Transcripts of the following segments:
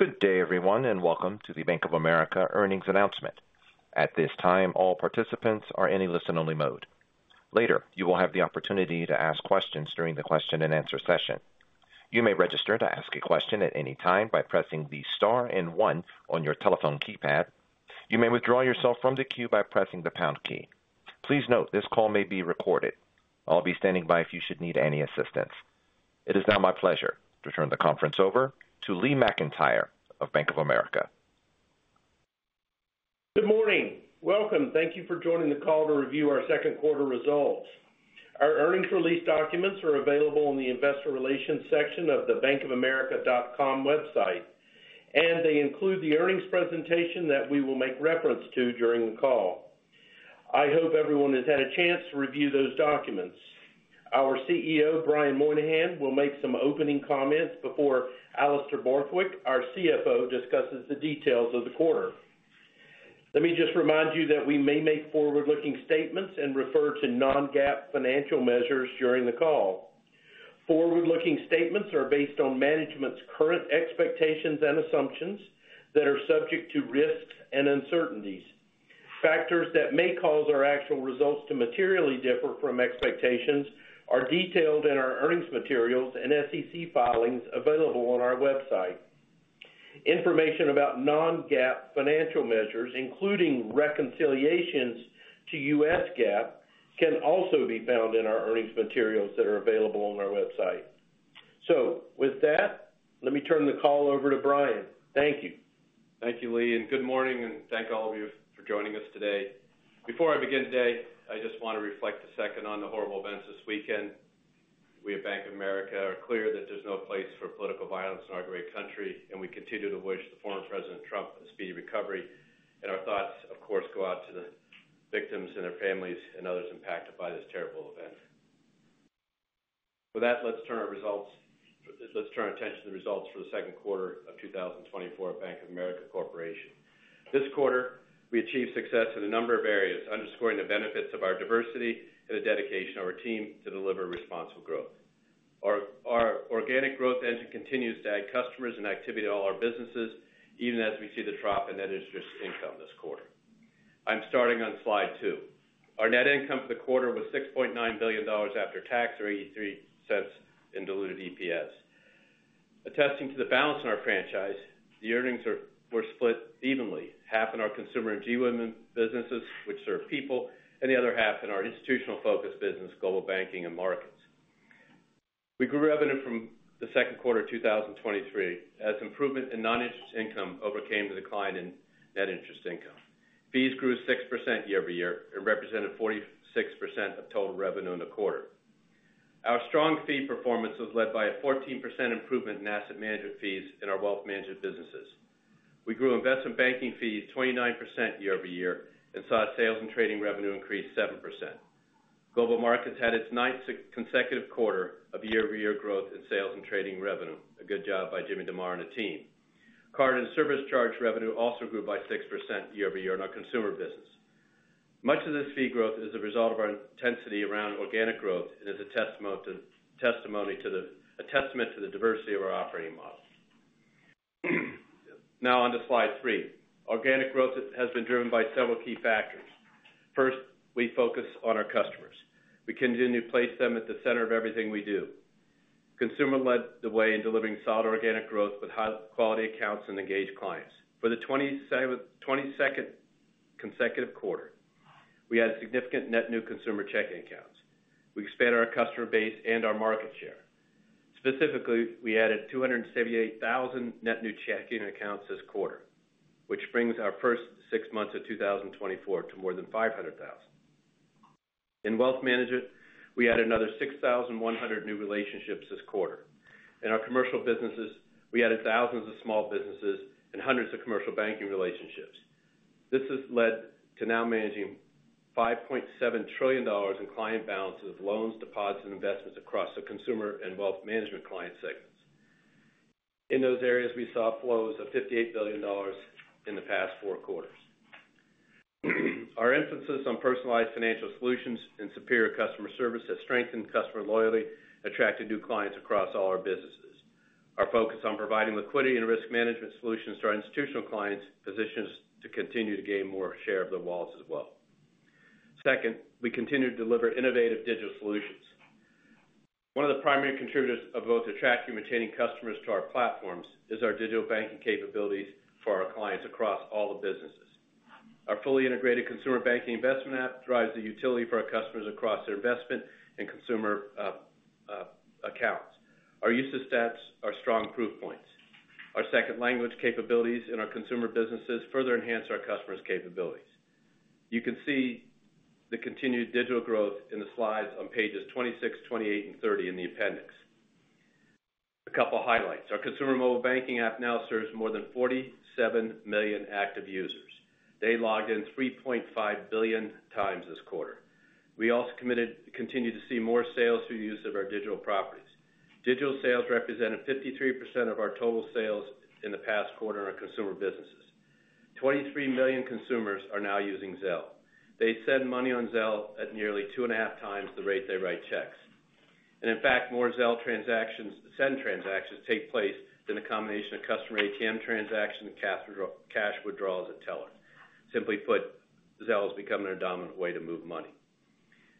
Good day, everyone, and welcome to the Bank of America earnings announcement. At this time, all participants are in a listen-only mode. Later, you will have the opportunity to ask questions during the question-and-answer session. You may register to ask a question at any time by pressing the Star and one on your telephone keypad. You may withdraw yourself from the queue by pressing the pound key. Please note, this call may be recorded. I'll be standing by if you should need any assistance. It is now my pleasure to turn the conference over to Lee McEntire of Bank of America. Good morning. Welcome. Thank you for joining the call to review our second quarter results. Our earnings release documents are available in the investor relations section of the bankofamerica.com website, and they include the earnings presentation that we will make reference to during the call. I hope everyone has had a chance to review those documents. Our CEO, Brian Moynihan, will make some opening comments before Alastair Borthwick, our CFO, discusses the details of the quarter. Let me just remind you that we may make forward-looking statements and refer to non-GAAP financial measures during the call. Forward-looking statements are based on management's current expectations and assumptions that are subject to risks and uncertainties. Factors that may cause our actual results to materially differ from expectations are detailed in our earnings materials and SEC filings available on our website. Information about non-GAAP financial measures, including reconciliations to U.S. GAAP, can also be found in our earnings materials that are available on our website. With that, let me turn the call over to Brian. Thank you. Thank you, Lee, and good morning, and thank all of you for joining us today. Before I begin today, I just want to reflect a second on the horrible events this weekend. We at Bank of America are clear that there's no place for political violence in our great country, and we continue to wish the former President Trump a speedy recovery. Our thoughts, of course, go out to the victims and their families and others impacted by this terrible event. With that, let's turn our attention to the results for the second quarter of 2024 at Bank of America Corporation. This quarter, we achieved success in a number of areas, underscoring the benefits of our diversity and the dedication of our team to deliver responsible growth. Our organic growth engine continues to add customers and activity to all our businesses, even as we see the drop in net interest income this quarter. I'm starting on Slide 2. Our net income for the quarter was $6.9 billion after tax, or $0.83 in diluted EPS. Attesting to the balance in our franchise, the earnings are, were split evenly, half in our Consumer and GWIM businesses, which serve people, and the other half in our institutional-focused business, Global Banking and Markets. We grew revenue from the second quarter of 2023, as improvement in non-interest income overcame the decline in net interest income. Fees grew 6% year-over-year and represented 46% of total revenue in the quarter. Our strong fee performance was led by a 14% improvement in asset management fees in our wealth management businesses. We grew investment banking fees 29% year-over-year and saw sales and trading revenue increase 7%. Global Markets had its ninth consecutive quarter of year-over-year growth in sales and trading revenue. A good job by Jim DeMare and the team. Card and service charge revenue also grew by 6% year-over-year in our consumer business. Much of this fee growth is a result of our intensity around organic growth and is a testament to the diversity of our operating model. Now, on to slide three. Organic growth has been driven by several key factors. First, we focus on our customers. We continue to place them at the center of everything we do. Consumer led the way in delivering solid organic growth with high-quality accounts and engaged clients. For the 27th consecutive quarter, we added significant net new consumer checking accounts. We expanded our customer base and our market share. Specifically, we added 278,000 net new checking accounts this quarter, which brings our first six months of 2024 to more than 500,000. In wealth management, we added another 6,100 new relationships this quarter. In our commercial businesses, we added thousands of small businesses and hundreds of commercial banking relationships. This has led to now managing $5.7 trillion in client balances, loans, deposits, and investments across the consumer and wealth management client segments. In those areas, we saw flows of $58 billion in the past four quarters. Our emphasis on personalized financial solutions and superior customer service has strengthened customer loyalty, attracted new clients across all our businesses. Our focus on providing liquidity and risk management solutions to our institutional clients positions to continue to gain more share of the walls as well. Second, we continue to deliver innovative digital solutions. One of the primary contributors of both attracting and retaining customers to our platforms is our digital banking capabilities for our clients across all the businesses. Our fully integrated consumer banking investment app drives the utility for our customers across their investment and consumer accounts. Our usage stats are strong proof points. Our second language capabilities in our consumer businesses further enhance our customers' capabilities. You can see the continued digital growth in the slides on pages 26, 28, and 30 in the appendix. A couple of highlights. Our consumer mobile banking app now serves more than 47 million active users. They logged in 3.5 billion times this quarter. We also continue to see more sales through use of our digital properties. Digital sales represented 53% of our total sales in the past quarter in our consumer businesses.... 23 million consumers are now using Zelle. They send money on Zelle at nearly 2.5 times the rate they write checks. And in fact, more Zelle transactions, sent transactions, take place than a combination of customer ATM transactions and cash withdrawals at teller. Simply put, Zelle is becoming a dominant way to move money.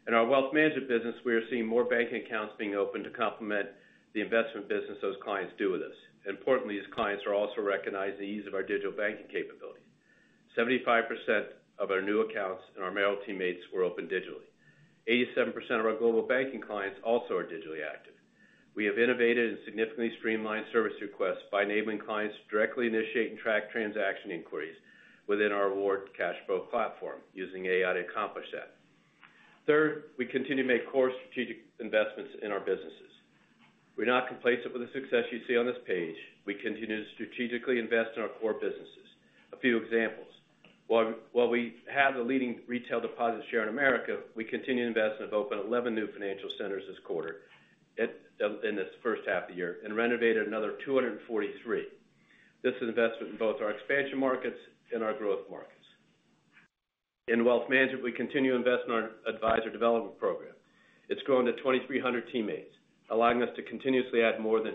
In our wealth management business, we are seeing more banking accounts being opened to complement the investment business those clients do with us. Importantly, these clients are also recognizing the ease of our digital banking capability. 75% of our new accounts and our Merrill were opened digitally. 87% of our Global Banking clients also are digitally active. We have innovated and significantly streamlined service requests by enabling clients to directly initiate and track transaction inquiries within our CashPro platform, using AI to accomplish that. Third, we continue to make core strategic investments in our businesses. We're not complacent with the success you see on this page. We continue to strategically invest in our core businesses. A few examples. While we have the leading retail deposit share in America, we continue to invest and have opened 11 new Financial Centers this quarter, in this first half of the year, and renovated another 243. This is investment in both our expansion markets and our growth markets. In Wealth Management, we continue to invest in our Advisor Development Program. It's grown to 2,300 teammates, allowing us to continuously add more than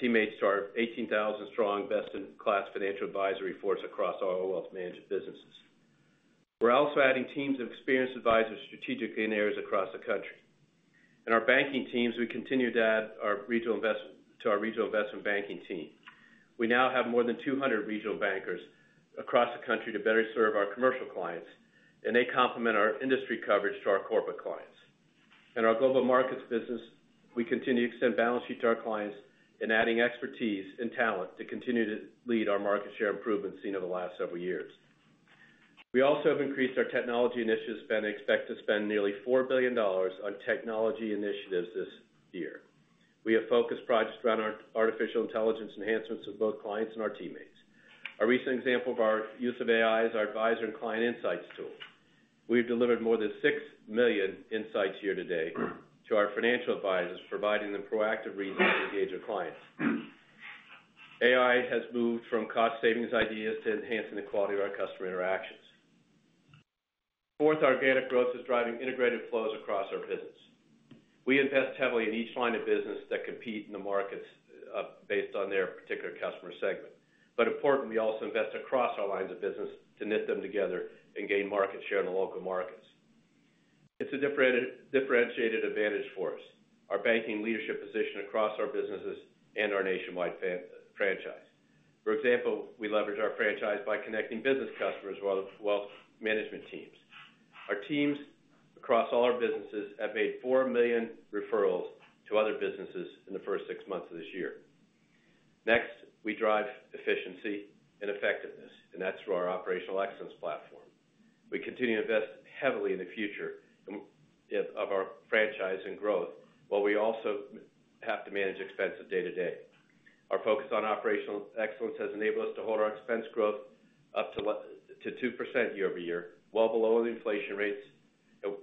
teammates to our 18,000-strong, best-in-class financial advisory force across all our wealth management businesses. We're also adding teams of experienced advisors strategically in areas across the country. In our banking teams, we continue to add to our regional investment banking team. We now have more than 200 regional bankers across the country to better serve our commercial clients, and they complement our industry coverage to our corporate clients. In our Global Markets business, we continue to extend balance sheet to our clients in adding expertise and talent to continue to lead our market share improvements seen over the last several years. We also have increased our technology initiatives spend, and expect to spend nearly $4 billion on technology initiatives this year. We have focused projects around our artificial intelligence enhancements of both clients and our teammates. A recent example of our use of AI is our advisor and client insights tool. We've delivered more than 6 million insights year-to-date to our financial advisors, providing them proactive reasons to engage with clients. AI has moved from cost savings ideas to enhancing the quality of our customer interactions. Fourth, organic growth is driving integrated flows across our business. We invest heavily in each line of business that compete in the markets, based on their particular customer segment. But importantly, we also invest across our lines of business to knit them together and gain market share in the local markets. It's a differentiated advantage for us, our banking leadership position across our businesses and our nationwide franchise. For example, we leverage our franchise by connecting business customers, while the wealth management teams. Our teams across all our businesses have made 4 million referrals to other businesses in the first 6 months of this year. Next, we drive efficiency and effectiveness, and that's through our operational excellence platform. We continue to invest heavily in the future of our franchise and growth, while we also have to manage expenses day-to-day. Our focus on operational excellence has enabled us to hold our expense growth up to what? To 2% year-over-year, well below the inflation rates.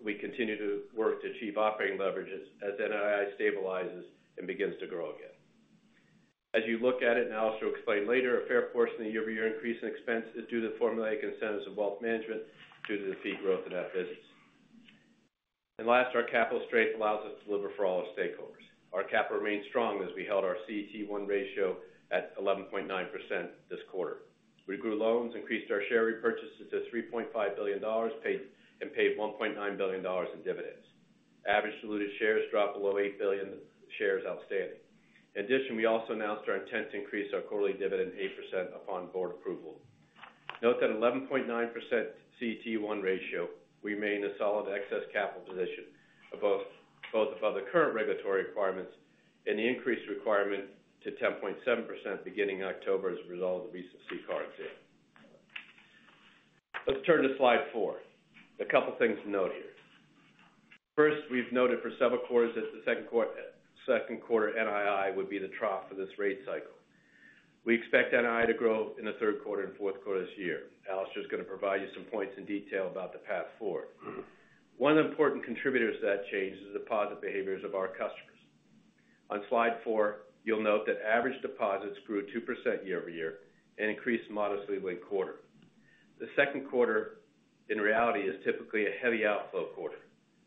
We continue to work to achieve operating leverages as NII stabilizes and begins to grow again. As you look at it, and I also explain later, a fair portion of the year-over-year increase in expense is due to the formulaic incentives of Wealth Management due to the fee growth in that business. Last, our capital strength allows us to deliver for all our stakeholders. Our capital remains strong as we held our CET1 ratio at 11.9% this quarter. We grew loans, increased our share repurchases to $3.5 billion, paid $1.9 billion in dividends. Average diluted shares dropped below 8 billion shares outstanding. In addition, we also announced our intent to increase our quarterly dividend 8% upon board approval. Note that 11.9% CET1 ratio remains a solid excess capital position, above both the current regulatory requirements and the increased requirement to 10.7% beginning October, as a result of the recent CCAR sale. Let's turn to slide four. A couple things to note here. First, we've noted for several quarters that the second quarter NII would be the trough for this rate cycle. We expect NII to grow in the third quarter and fourth quarter this year. Alastair is going to provide you some points in detail about the path forward. One important contributor to that change is the deposit behaviors of our customers. On slide four, you'll note that average deposits grew 2% year over year and increased modestly late quarter. The second quarter, in reality, is typically a heavy outflow quarter.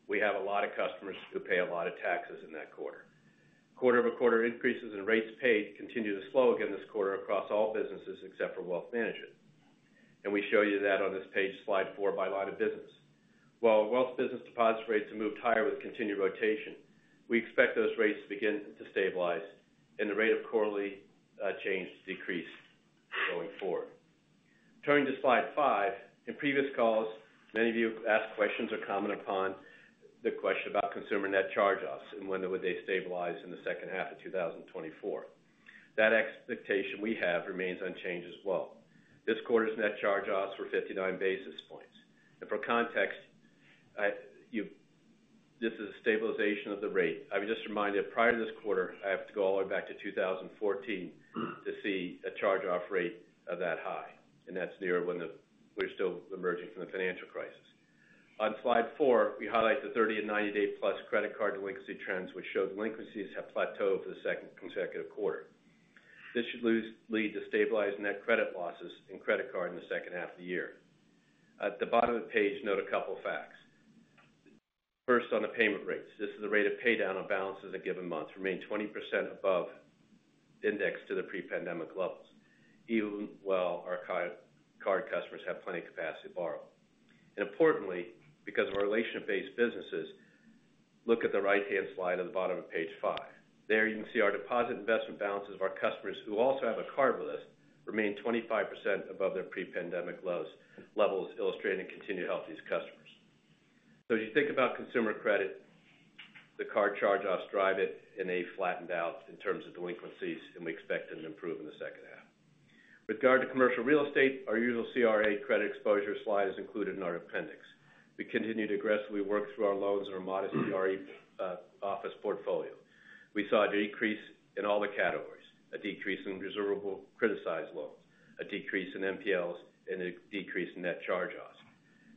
We have a lot of customers who pay a lot of taxes in that quarter. Quarter-over-quarter increases in rates paid continue to slow again this quarter across all businesses, except for wealth management. And we show you that on this page, slide 4, by line of business. While wealth business deposits rates have moved higher with continued rotation, we expect those rates to begin to stabilize and the rate of quarterly change to decrease going forward. Turning to slide 5, in previous calls, many of you asked questions or comment upon the question about consumer net charge-offs and whether would they stabilize in the second half of 2024. That expectation we have remains unchanged as well. This quarter's net charge-offs were 59 basis points. And for context, this is a stabilization of the rate. I would just remind you, prior to this quarter, I have to go all the way back to 2014 to see a charge-off rate of that high, and that's near when we're still emerging from the financial crisis. On slide four, we highlight the 30- and 90-day plus credit card delinquency trends, which show delinquencies have plateaued for the second consecutive quarter. This should lead to stabilized net credit losses in credit card in the second half of the year. At the bottom of the page, note a couple facts. First, on the payment rates, this is the rate of pay down on balances a given month, remain 20% above index to the pre-pandemic levels, even while our credit card customers have plenty of capacity to borrow. Importantly, because of our relationship-based businesses, look at the right-hand slide at the bottom of page five. There you can see our deposit investment balances of our customers who also have a card with us remain 25% above their pre-pandemic lows, levels illustrating continued healthy customers. So as you think about consumer credit, the card charge-offs drive it, and they flattened out in terms of delinquencies, and we expect them to improve in the second half. With regard to commercial real estate, our usual CRE credit exposure slide is included in our appendix. We continue to aggressively work through our loans and our modest RE office portfolio. We saw a decrease in all the categories, a decrease in reservable criticized loans, a decrease in NPLs, and a decrease in net charge-offs.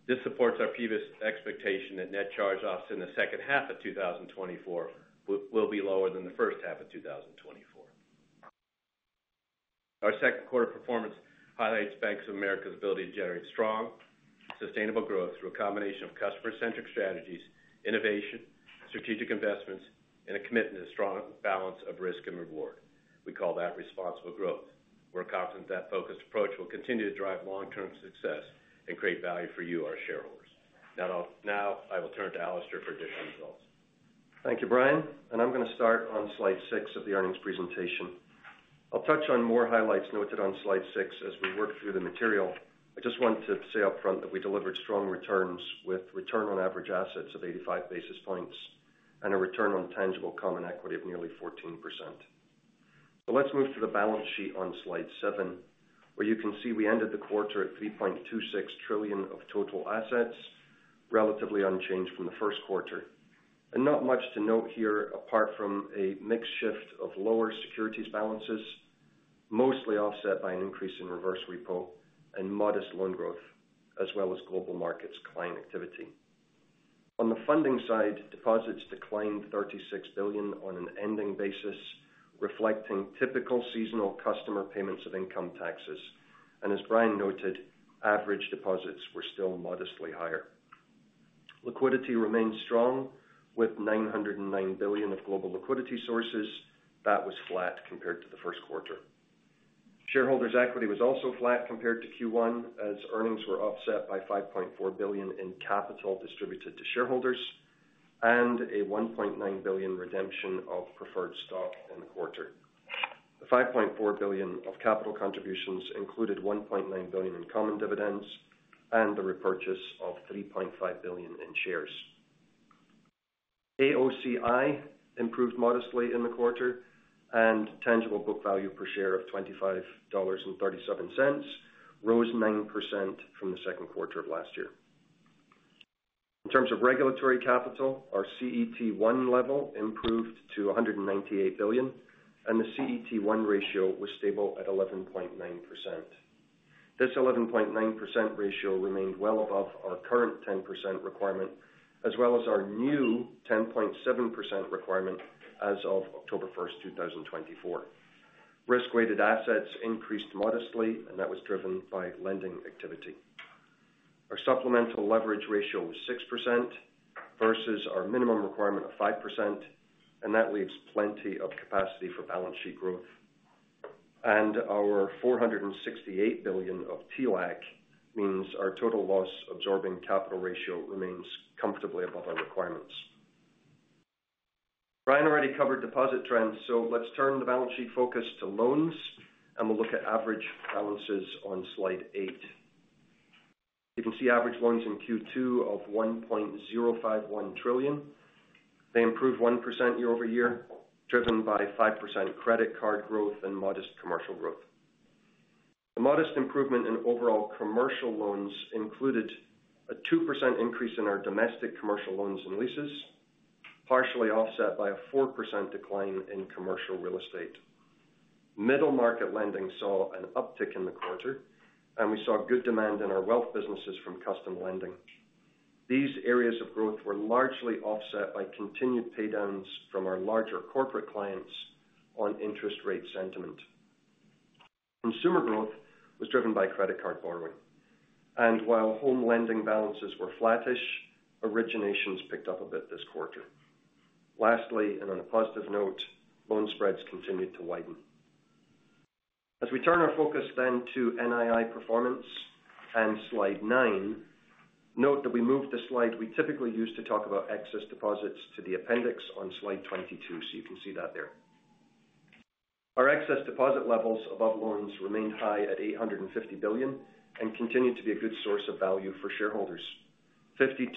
This supports our previous expectation that net charge-offs in the second half of 2024 will be lower than the first half of 2024. Our second quarter performance highlights Bank of America's ability to generate strong, sustainable growth through a combination of customer-centric strategies, innovation, strategic investments, and a commitment to strong balance of risk and reward. We call that responsible growth. We're confident that focused approach will continue to drive long-term success and create value for you, our shareholders. Now, I will turn to Alastair for additional results. Thank you, Brian, and I'm gonna start on slide 6 of the earnings presentation. I'll touch on more highlights noted on slide 6 as we work through the material. I just want to say upfront that we delivered strong returns with return on average assets of 85 basis points and a return on tangible common equity of nearly 14%. But let's move to the balance sheet on slide 7, where you can see we ended the quarter at $3.26 trillion of total assets, relatively unchanged from the first quarter. Not much to note here, apart from a mix shift of lower securities balances, mostly offset by an increase in reverse repo and modest loan growth, as well as Global Markets client activity. On the funding side, deposits declined $36 billion on an ending basis, reflecting typical seasonal customer payments of income taxes. And as Brian noted, average deposits were still modestly higher. Liquidity remained strong, with $909 billion of global liquidity sources. That was flat compared to the first quarter. Shareholders' equity was also flat compared to Q1, as earnings were offset by $5.4 billion in capital distributed to shareholders and a $1.9 billion redemption of preferred stock in the quarter. The $5.4 billion of capital contributions included $1.9 billion in common dividends and the repurchase of $3.5 billion in shares. AOCI improved modestly in the quarter, and tangible book value per share of $25.37 rose 9% from the second quarter of last year. In terms of regulatory capital, our CET1 level improved to $198 billion, and the CET1 ratio was stable at 11.9%. This 11.9% ratio remained well above our current 10% requirement, as well as our new 10.7% requirement as of October 1, 2024. Risk-weighted assets increased modestly, and that was driven by lending activity. Our supplemental leverage ratio was 6% versus our minimum requirement of 5%, and that leaves plenty of capacity for balance sheet growth. Our $468 billion of TLAC means our total loss absorbing capital ratio remains comfortably above our requirements. Brian already covered deposit trends, so let's turn the balance sheet focus to loans, and we'll look at average balances on Slide 8. You can see average loans in Q2 of $1.051 trillion. They improved 1% year-over-year, driven by 5% credit card growth and modest commercial growth. The modest improvement in overall commercial loans included a 2% increase in our domestic commercial loans and leases, partially offset by a 4% decline in commercial real estate. Middle market lending saw an uptick in the quarter, and we saw good demand in our wealth businesses from custom lending. These areas of growth were largely offset by continued pay downs from our larger corporate clients on interest rate sentiment. Consumer growth was driven by credit card borrowing, and while home lending balances were flattish, originations picked up a bit this quarter. Lastly, and on a positive note, loan spreads continued to widen. As we turn our focus then to NII performance and slide 9, note that we moved the slide we typically use to talk about excess deposits to the appendix on slide 22. So you can see that there. Our excess deposit levels above loans remained high at $850 billion and continued to be a good source of value for shareholders. 52%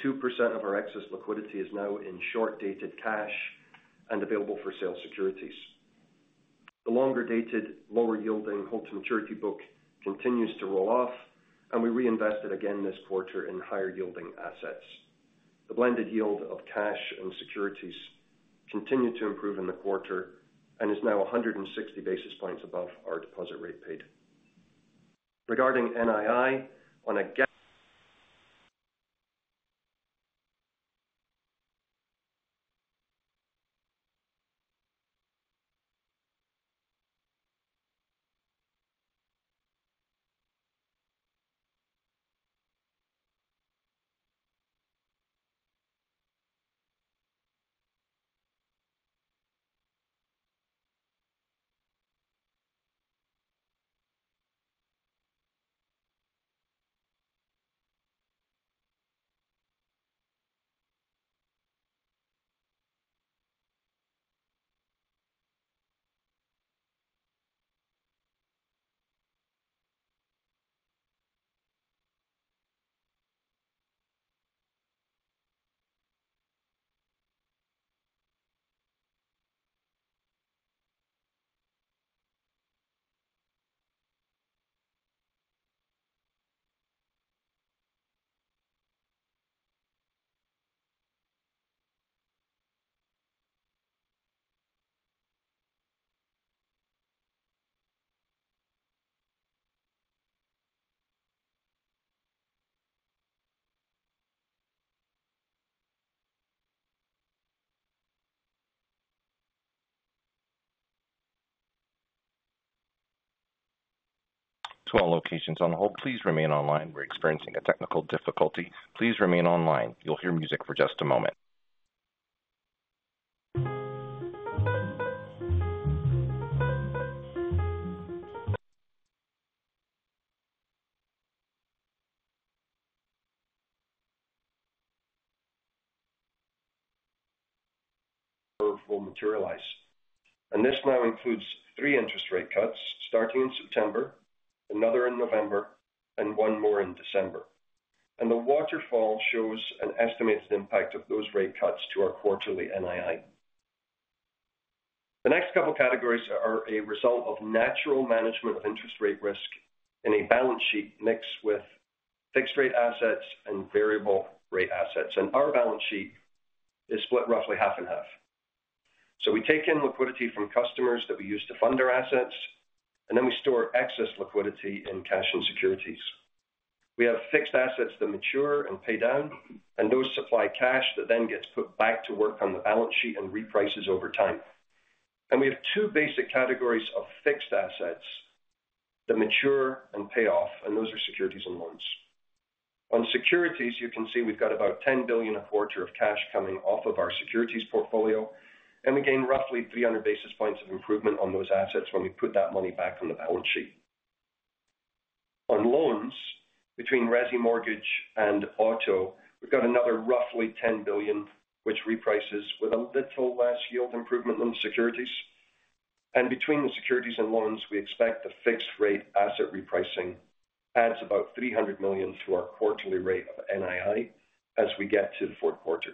of our excess liquidity is now in short-dated cash and available for sale securities. The longer-dated, lower-yielding hold-to-maturity book continues to roll off, and we reinvested again this quarter in higher-yielding assets. The blended yield of cash and securities continued to improve in the quarter and is now 160 basis points above our deposit rate paid. Regarding NII, on a To all locations on hold, please remain online. We're experiencing a technical difficulty. Please remain online. You'll hear music for just a moment. Will materialize, and this now includes three interest rate cuts starting in September, another in November, and one more in December. And the waterfall shows an estimated impact of those rate cuts to our quarterly NII. The next couple categories are a result of natural management of interest rate risk and a balance sheet mixed with fixed rate assets and variable rate assets. And our balance sheet is split roughly half and half. So we take in liquidity from customers that we use to fund our assets, and then we store excess liquidity in cash and securities. We have fixed assets that mature and pay down, and those supply cash that then gets put back to work on the balance sheet and reprices over time. And we have two basic categories of fixed assets that mature and pay off, and those are securities and loans. On securities, you can see we've got about $10 billion a quarter of cash coming off of our securities portfolio, and we gain roughly 300 basis points of improvement on those assets when we put that money back on the balance sheet. On loans, between resi mortgage and auto, we've got another roughly $10 billion, which reprices with a little less yield improvement than the securities. And between the securities and loans, we expect the fixed rate asset repricing adds about $300 million to our quarterly rate of NII as we get to the fourth quarter.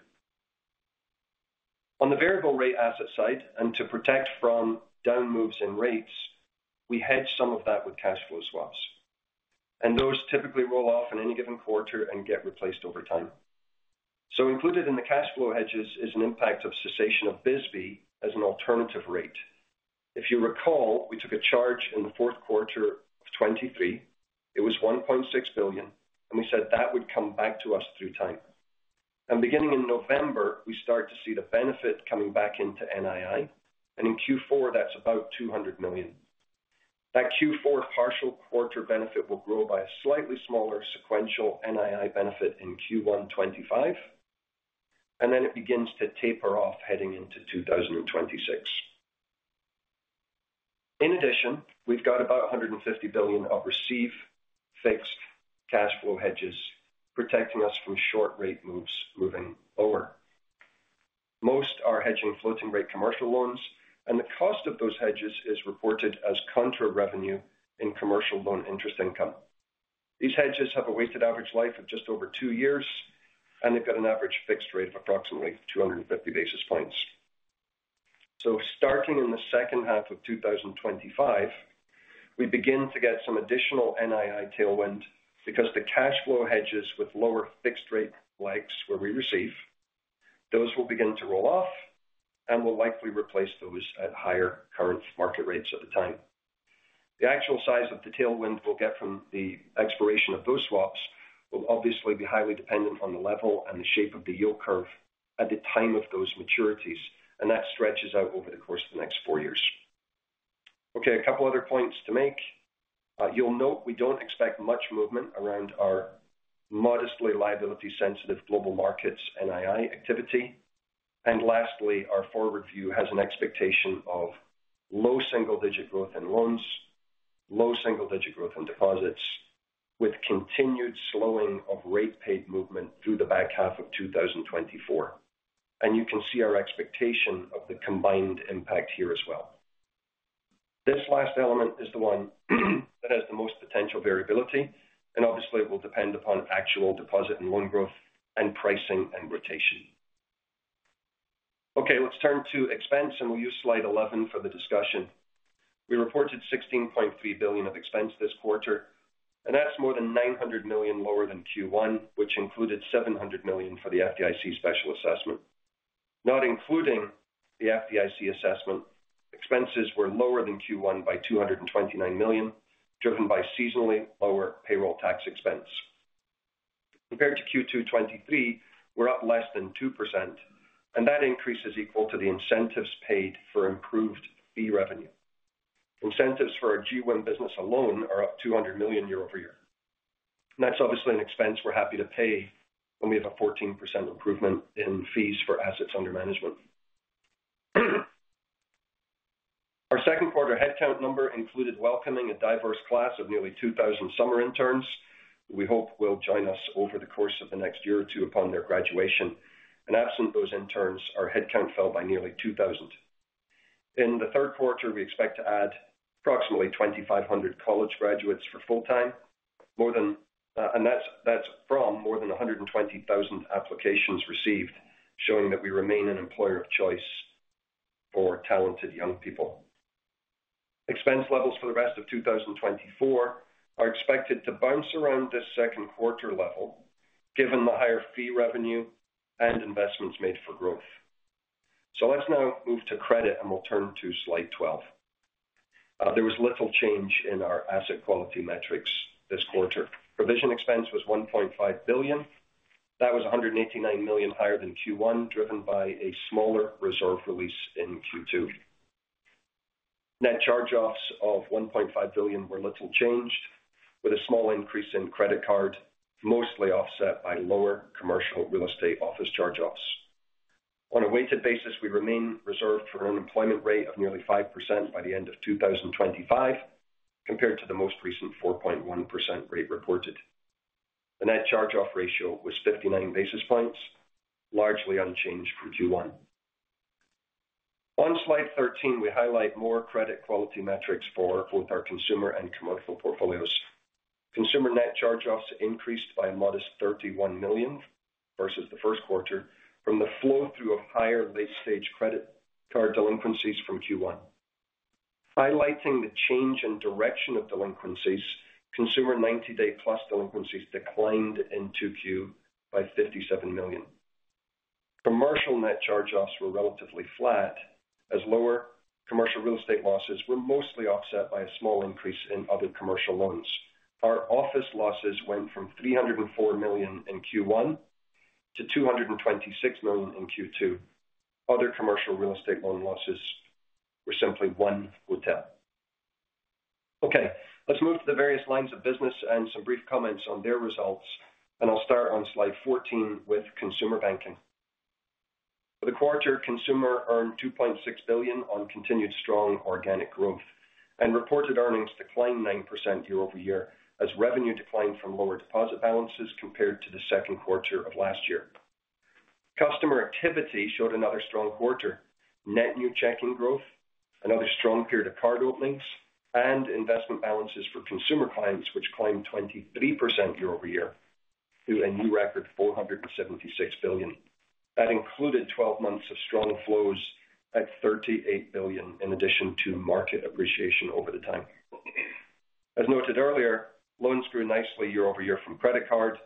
On the variable rate asset side, and to protect from down moves in rates, we hedge some of that with cash flow swaps, and those typically roll off in any given quarter and get replaced over time. So included in the cash flow hedges is an impact of cessation of BSBY as an alternative rate. If you recall, we took a charge in the fourth quarter of 2023. It was $1.6 billion, and we said that would come back to us through time. And beginning in November, we start to see the benefit coming back into NII, and in Q4, that's about $200 million. That Q4 partial quarter benefit will grow by a slightly smaller sequential NII benefit in Q1 2025, and then it begins to taper off heading into 2026. In addition, we've got about $150 billion of receive fixed cash flow hedges protecting us from short rate moves moving lower. Most are hedging floating rate commercial loans, and the cost of those hedges is reported as contra revenue in commercial loan interest income. These hedges have a weighted average life of just over two years, and they've got an average fixed rate of approximately 250 basis points. So starting in the second half of 2025, we begin to get some additional NII tailwind because the cash flow hedges with lower fixed rate legs where we receive, those will begin to roll off, and we'll likely replace those at higher current market rates at the time. The actual size of the tailwind we'll get from the expiration of those swaps will obviously be highly dependent on the level and the shape of the yield curve at the time of those maturities, and that stretches out over the course of the next four years. Okay, a couple other points to make. You'll note we don't expect much movement around our modestly liability-sensitive global markets NII activity. Lastly, our forward view has an expectation of low single-digit growth in loans, low single-digit growth in deposits, with continued slowing of rate paid movement through the back half of 2024. You can see our expectation of the combined impact here as well. This last element is the one that has the most potential variability, and obviously it will depend upon actual deposit and loan growth and pricing and rotation. Okay, let's turn to expense, and we'll use slide 11 for the discussion. We reported $16.3 billion of expense this quarter, and that's more than $900 million lower than Q1, which included $700 million for the FDIC special assessment. Not including the FDIC assessment, expenses were lower than Q1 by $229 million, driven by seasonally lower payroll tax expense. Compared to Q2 2023, we're up less than 2%, and that increase is equal to the incentives paid for improved fee revenue. Incentives for our GWIM business alone are up $200 million year over year. And that's obviously an expense we're happy to pay when we have a 14% improvement in fees for assets under management. Our second quarter headcount number included welcoming a diverse class of nearly 2,000 summer interns we hope will join us over the course of the next year or two upon their graduation. And absent those interns, our headcount fell by nearly 2,000. In the third quarter, we expect to add approximately 2,500 college graduates for full-time, more than, and that's from more than 120,000 applications received, showing that we remain an employer of choice for talented young people. Expense levels for the rest of 2024 are expected to bounce around this second quarter level, given the higher fee revenue and investments made for growth. So let's now move to credit, and we'll turn to slide 12. There was little change in our asset quality metrics this quarter. Provision expense was $1.5 billion. That was $189 million higher than Q1, driven by a smaller reserve release in Q2. Net charge-offs of $1.5 billion were little changed, with a small increase in credit card, mostly offset by lower commercial real estate office charge-offs. On a weighted basis, we remain reserved for an unemployment rate of nearly 5% by the end of 2025, compared to the most recent 4.1% rate reported. The net charge-off ratio was 59 basis points, largely unchanged from Q1. On slide 13, we highlight more credit quality metrics for both our consumer and commercial portfolios. Consumer net charge-offs increased by a modest $31 million versus the first quarter from the flow through of higher late-stage credit card delinquencies from Q1. Highlighting the change in direction of delinquencies, consumer 90-day-plus delinquencies declined in 2Q by $57 million. Commercial net charge-offs were relatively flat, as lower commercial real estate losses were mostly offset by a small increase in other commercial loans. Our office losses went from $304 million in Q1 to $226 million in Q2. Other commercial real estate loan losses were simply one hotel. Okay, let's move to the various lines of business and some brief comments on their results, and I'll start on slide 14 with consumer banking. For the quarter, Consumer earned $2.6 billion on continued strong organic growth, and reported earnings declined 9% year-over-year, as revenue declined from lower deposit balances compared to the second quarter of last year. Customer activity showed another strong quarter. Net new checking growth, another strong period of card openings and investment balances for consumer clients, which climbed 23% year-over-year to a new record, $476 billion. That included 12 months of strong flows at $38 billion, in addition to market appreciation over the time. As noted earlier, loans grew nicely year-over-year from credit card,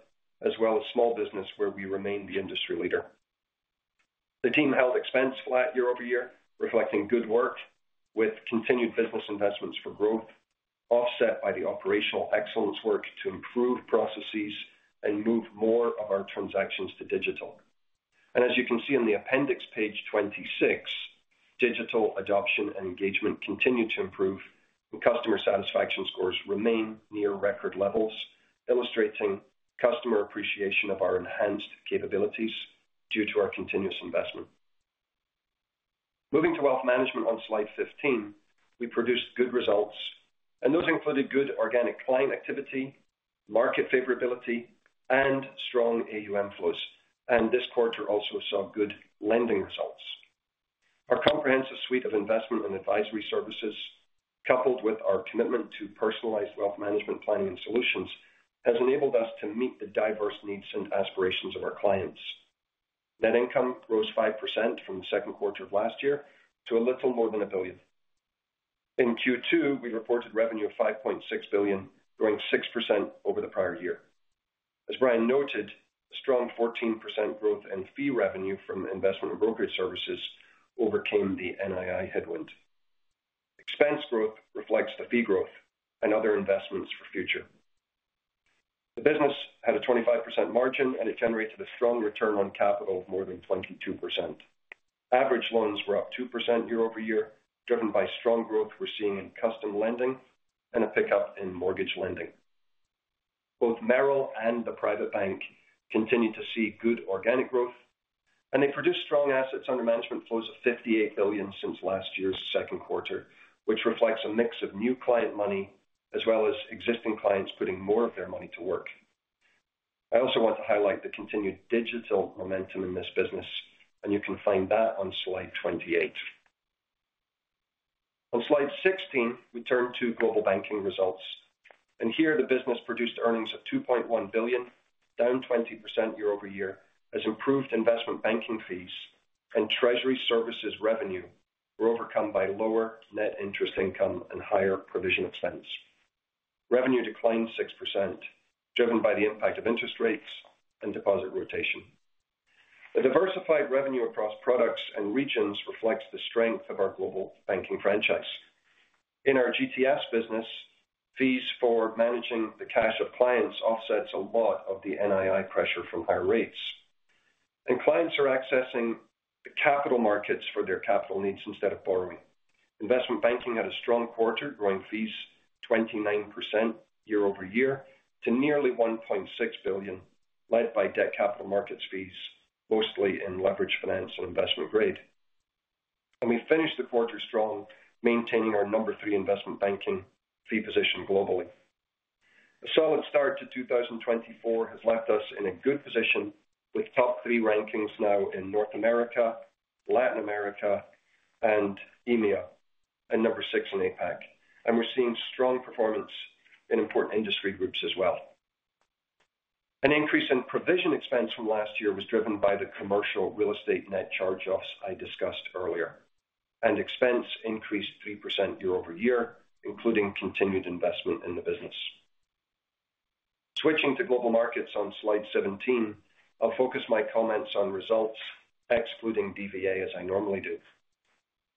as well as small business, where we remain the industry leader. The team held expense flat year over year, reflecting good work with continued business investments for growth, offset by the operational excellence work to improve processes and move more of our transactions to digital. As you can see on the appendix, page 26, digital adoption and engagement continued to improve, and customer satisfaction scores remain near record levels, illustrating customer appreciation of our enhanced capabilities due to our continuous investment. Moving to Wealth Management on slide 15, we produced good results, and those included good organic client activity, market favorability, and strong AUM flows. This quarter also saw good lending results. Our comprehensive suite of investment and advisory services, coupled with our commitment to personalized wealth management planning and solutions, has enabled us to meet the diverse needs and aspirations of our clients. Net income rose 5% from the second quarter of last year to a little more than $1+ billion. In Q2, we reported revenue of $5.6 billion, growing 6% over the prior year. As Brian noted, a strong 14% growth in fee revenue from investment and brokerage services overcame the NII headwind. Expense growth reflects the fee growth and other investments for future. The business had a 25% margin, and it generated a strong return on capital of more than 22%. Average loans were up 2% year-over-year, driven by strong growth we're seeing in custom lending and a pickup in mortgage lending. Both Merrill and the Private Bank continued to see good organic growth, and they produced strong assets under management flows of $58 billion since last year's second quarter, which reflects a mix of new client money as well as existing clients putting more of their money to work. I also want to highlight the continued digital momentum in this business, and you can find that on slide 28. On slide 16, we turn to Global Banking results. Here, the business produced earnings of $2.1 billion, down 20% year-over-year, as improved investment banking fees and Treasury Services revenue were overcome by lower net interest income and higher provision expense. Revenue declined 6%, driven by the impact of interest rates and deposit rotation. The diversified revenue across products and regions reflects the strength of our Global Banking franchise. In our GTS business, fees for managing the cash of clients offsets a lot of the NII pressure from higher rates. Clients are accessing the capital markets for their capital needs instead of borrowing. Investment banking had a strong quarter, growing fees 29% year-over-year to nearly $1.6 billion, led by debt capital markets fees, mostly in leveraged finance and investment grade. We finished the quarter strong, maintaining our No. 3 investment banking fee position globally. A solid start to 2024 has left us in a good position with top 3 rankings now in North America, Latin America, and EMEA, and No. 6 in APAC. We're seeing strong performance in important industry groups as well. An increase in provision expense from last year was driven by the commercial real estate net charge-offs I discussed earlier, and expense increased 3% year over year, including continued investment in the business. Switching to Global Markets on slide 17, I'll focus my comments on results excluding DVA, as I normally do.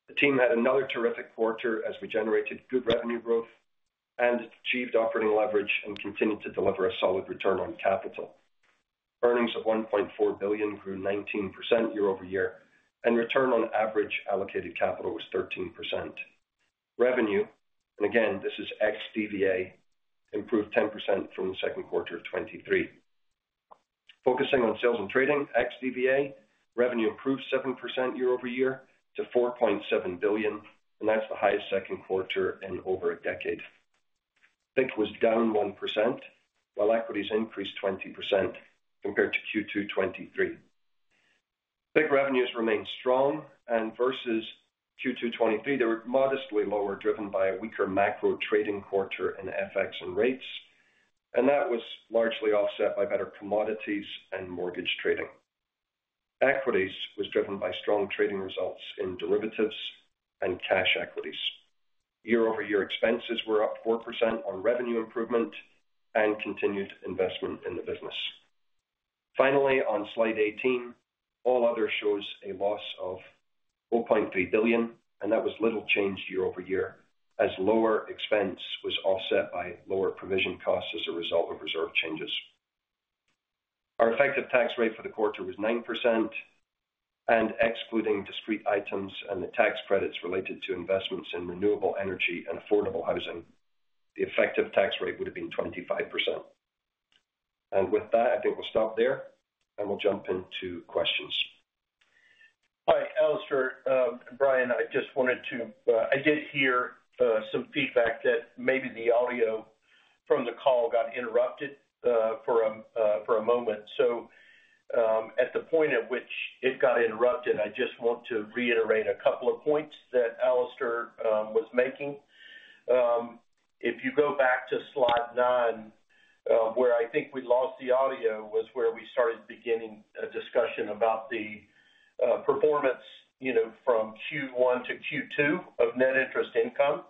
The team had another terrific quarter as we generated good revenue growth and achieved operating leverage and continued to deliver a solid return on capital. Earnings of $1.4 billion grew 19% year over year, and return on average allocated capital was 13%. Revenue, and again, this is ex-DVA, improved 10% from the second quarter of 2023. Focusing on Sales and Trading, ex-DVA, revenue improved 7% year over year to $4.7 billion, and that's the highest second quarter in over a decade. FICC was down 1%, while equities increased 20% compared to Q2 2023. FICC revenues remained strong, and versus Q2 2023, they were modestly lower, driven by a weaker macro trading quarter in FX and rates, and that was largely offset by better commodities and mortgage trading. Equities was driven by strong trading results in derivatives and cash equities. Year-over-year expenses were up 4% on revenue improvement and continued investment in the business. Finally, on slide 18, all other shows a loss of $4.3 billion, and that was little change year-over-year, as lower expense was offset by lower provision costs as a result of reserve changes. Our effective tax rate for the quarter was 9%, and excluding discrete items and the tax credits related to investments in renewable energy and affordable housing, the effective tax rate would have been 25%. With that, I think we'll stop there, and we'll jump into questions. Hi, Alastair, Brian, I just wanted to. I did hear some feedback that maybe the audio from the call got interrupted for a moment. At the point at which it got interrupted, I just want to reiterate a couple of points that Alastair was making. If you go back to slide nine, where I think we lost the audio, was where we started beginning a discussion about the performance, you know, from Q1 to Q2 of net interest income.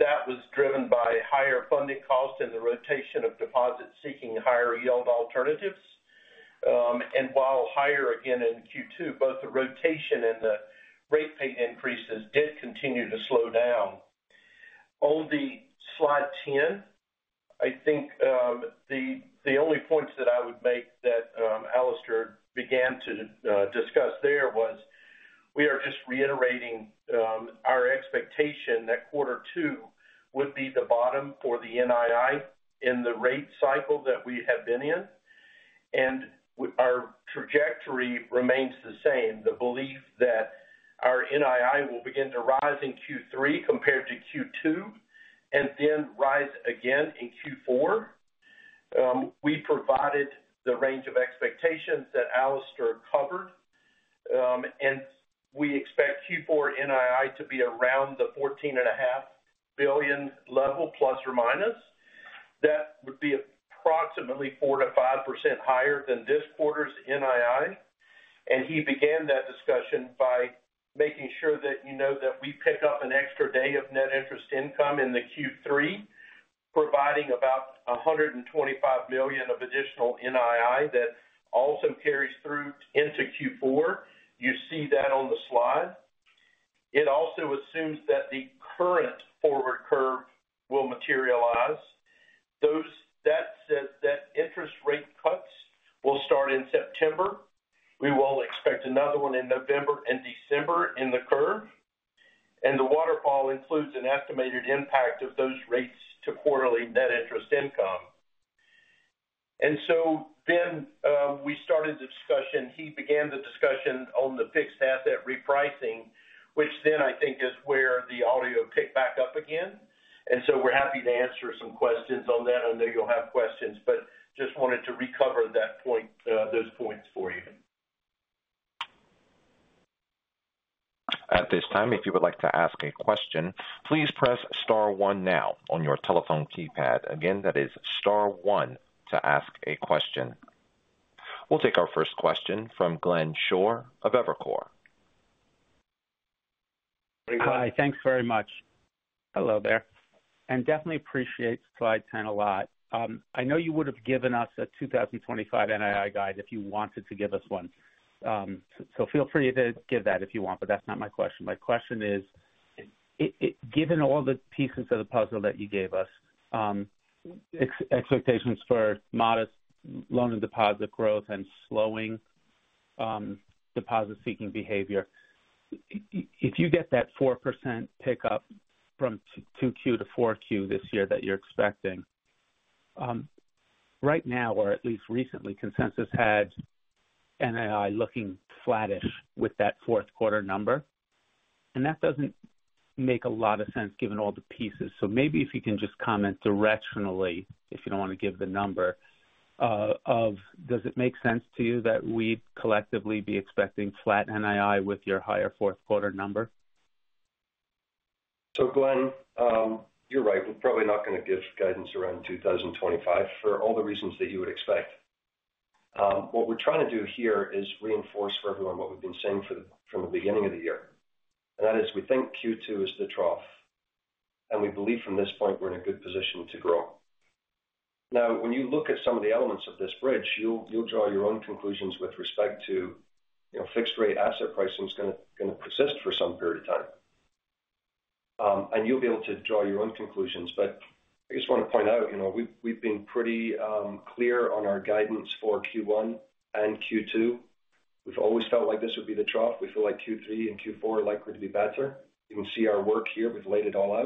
That was driven by higher funding costs and the rotation of deposits seeking higher yield alternatives. While higher again in Q2, both the rotation and the rate pay increases did continue to slow down. On slide 10, I think, the only points that I would make that Alastair began to discuss there was, we are just reiterating our expectation that quarter two would be the bottom for the NII in the rate cycle that we have been in, and our trajectory remains the same, the belief that our NII will begin to rise in Q3 compared to Q2, and then rise again in Q4. We provided the range of expectations that Alastair covered, and we expect Q4 NII to be around the $14.5 billion level, ±. That would be approximately 4%-5% higher than this quarter's NII. And he began that discussion by making sure that you know that we picked up an extra day of net interest income in the Q3, providing about $125 million of additional NII that also carries through into Q4. You see that on the slide. It also assumes that the current forward curve will materialize. That says that interest rate cuts will start in September. We will expect another one in November and December in the curve, and the waterfall includes an estimated impact of those rates to quarterly net interest income. And so then, we started the discussion. He began the discussion on the fixed asset repricing, which then I think is where the audio picked back up again. And so we're happy to answer some questions on that. I know you'll have questions, but just wanted to recover that point, those points for you. At this time, if you would like to ask a question, please press star one now on your telephone keypad. Again, that is star one to ask a question. We'll take our first question from Glenn Schorr of Evercore.... Hi, thanks very much. Hello there, and definitely appreciate slide 10 a lot. I know you would have given us a 2025 NII guide if you wanted to give us one. So feel free to give that if you want, but that's not my question. My question is, it—given all the pieces of the puzzle that you gave us, expectations for modest loan and deposit growth and slowing, deposit-seeking behavior, if you get that 4% pickup from 2Q to 4Q this year that you're expecting, right now, or at least recently, consensus had NII looking flattish with that fourth quarter number, and that doesn't make a lot of sense given all the pieces. Maybe if you can just comment directionally, if you don't want to give the number, or does it make sense to you that we'd collectively be expecting flat NII with your higher fourth quarter number? So, Glenn, you're right. We're probably not going to give guidance around 2025 for all the reasons that you would expect. What we're trying to do here is reinforce for everyone what we've been saying from the beginning of the year, and that is, we think Q2 is the trough, and we believe from this point we're in a good position to grow. Now, when you look at some of the elements of this bridge, you'll draw your own conclusions with respect to, you know, fixed rate asset pricing is going to persist for some period of time. And you'll be able to draw your own conclusions. But I just want to point out, you know, we've been pretty clear on our guidance for Q1 and Q2. We've always felt like this would be the trough. We feel like Q3 and Q4 are likely to be better. You can see our work here. We've laid it all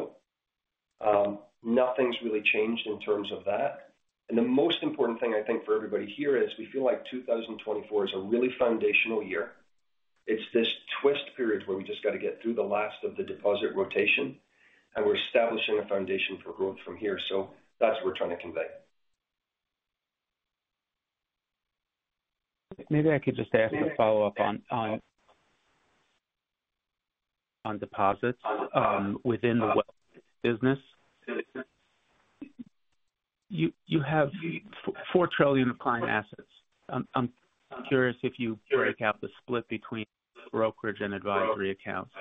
out. Nothing's really changed in terms of that. And the most important thing I think, for everybody here is we feel like 2024 is a really foundational year. It's this twist period where we just got to get through the last of the deposit rotation, and we're establishing a foundation for growth from here. So that's what we're trying to convey. Maybe I could just ask a follow-up on deposits within the business. You have $4 trillion of client assets. I'm curious if you break out the split between brokerage and advisory accounts.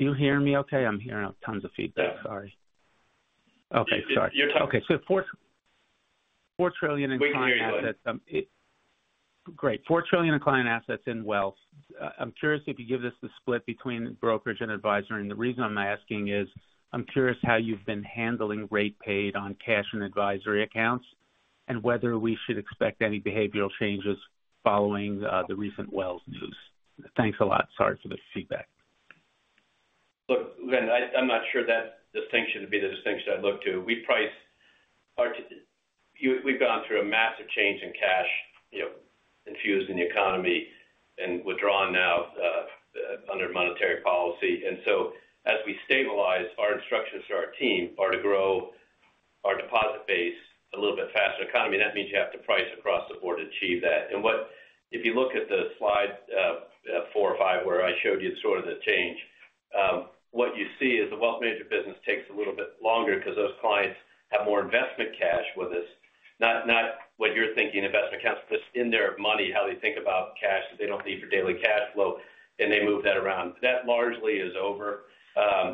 And do you hear me okay? I'm hearing tons of feedback. Sorry. Okay, sorry. You're- Okay, so $4.4 trillion in client assets. We can hear you. Great. $4 trillion in client assets in wealth. I'm curious if you give us the split between brokerage and advisory. And the reason I'm asking is, I'm curious how you've been handling rate paid on cash and advisory accounts, and whether we should expect any behavioral changes following the recent Wells news. Thanks a lot. Sorry for the feedback. Look, Glenn, I, I'm not sure that distinction would be the distinction I'd look to. We price our—we've gone through a massive change in cash, you know, infused in the economy and withdrawn now under monetary policy. And so as we stabilize, our instructions to our team are to grow our deposit base a little bit faster. Economy, that means you have to price across the board to achieve that. And what—if you look at the slide, four or five, where I showed you sort of the change, what you see is the wealth management business takes a little bit longer because those clients have more investment cash with us. Not, not what you're thinking, investment accounts, but in their money, how they think about cash that they don't need for daily cash flow, and they move that around. That largely is over.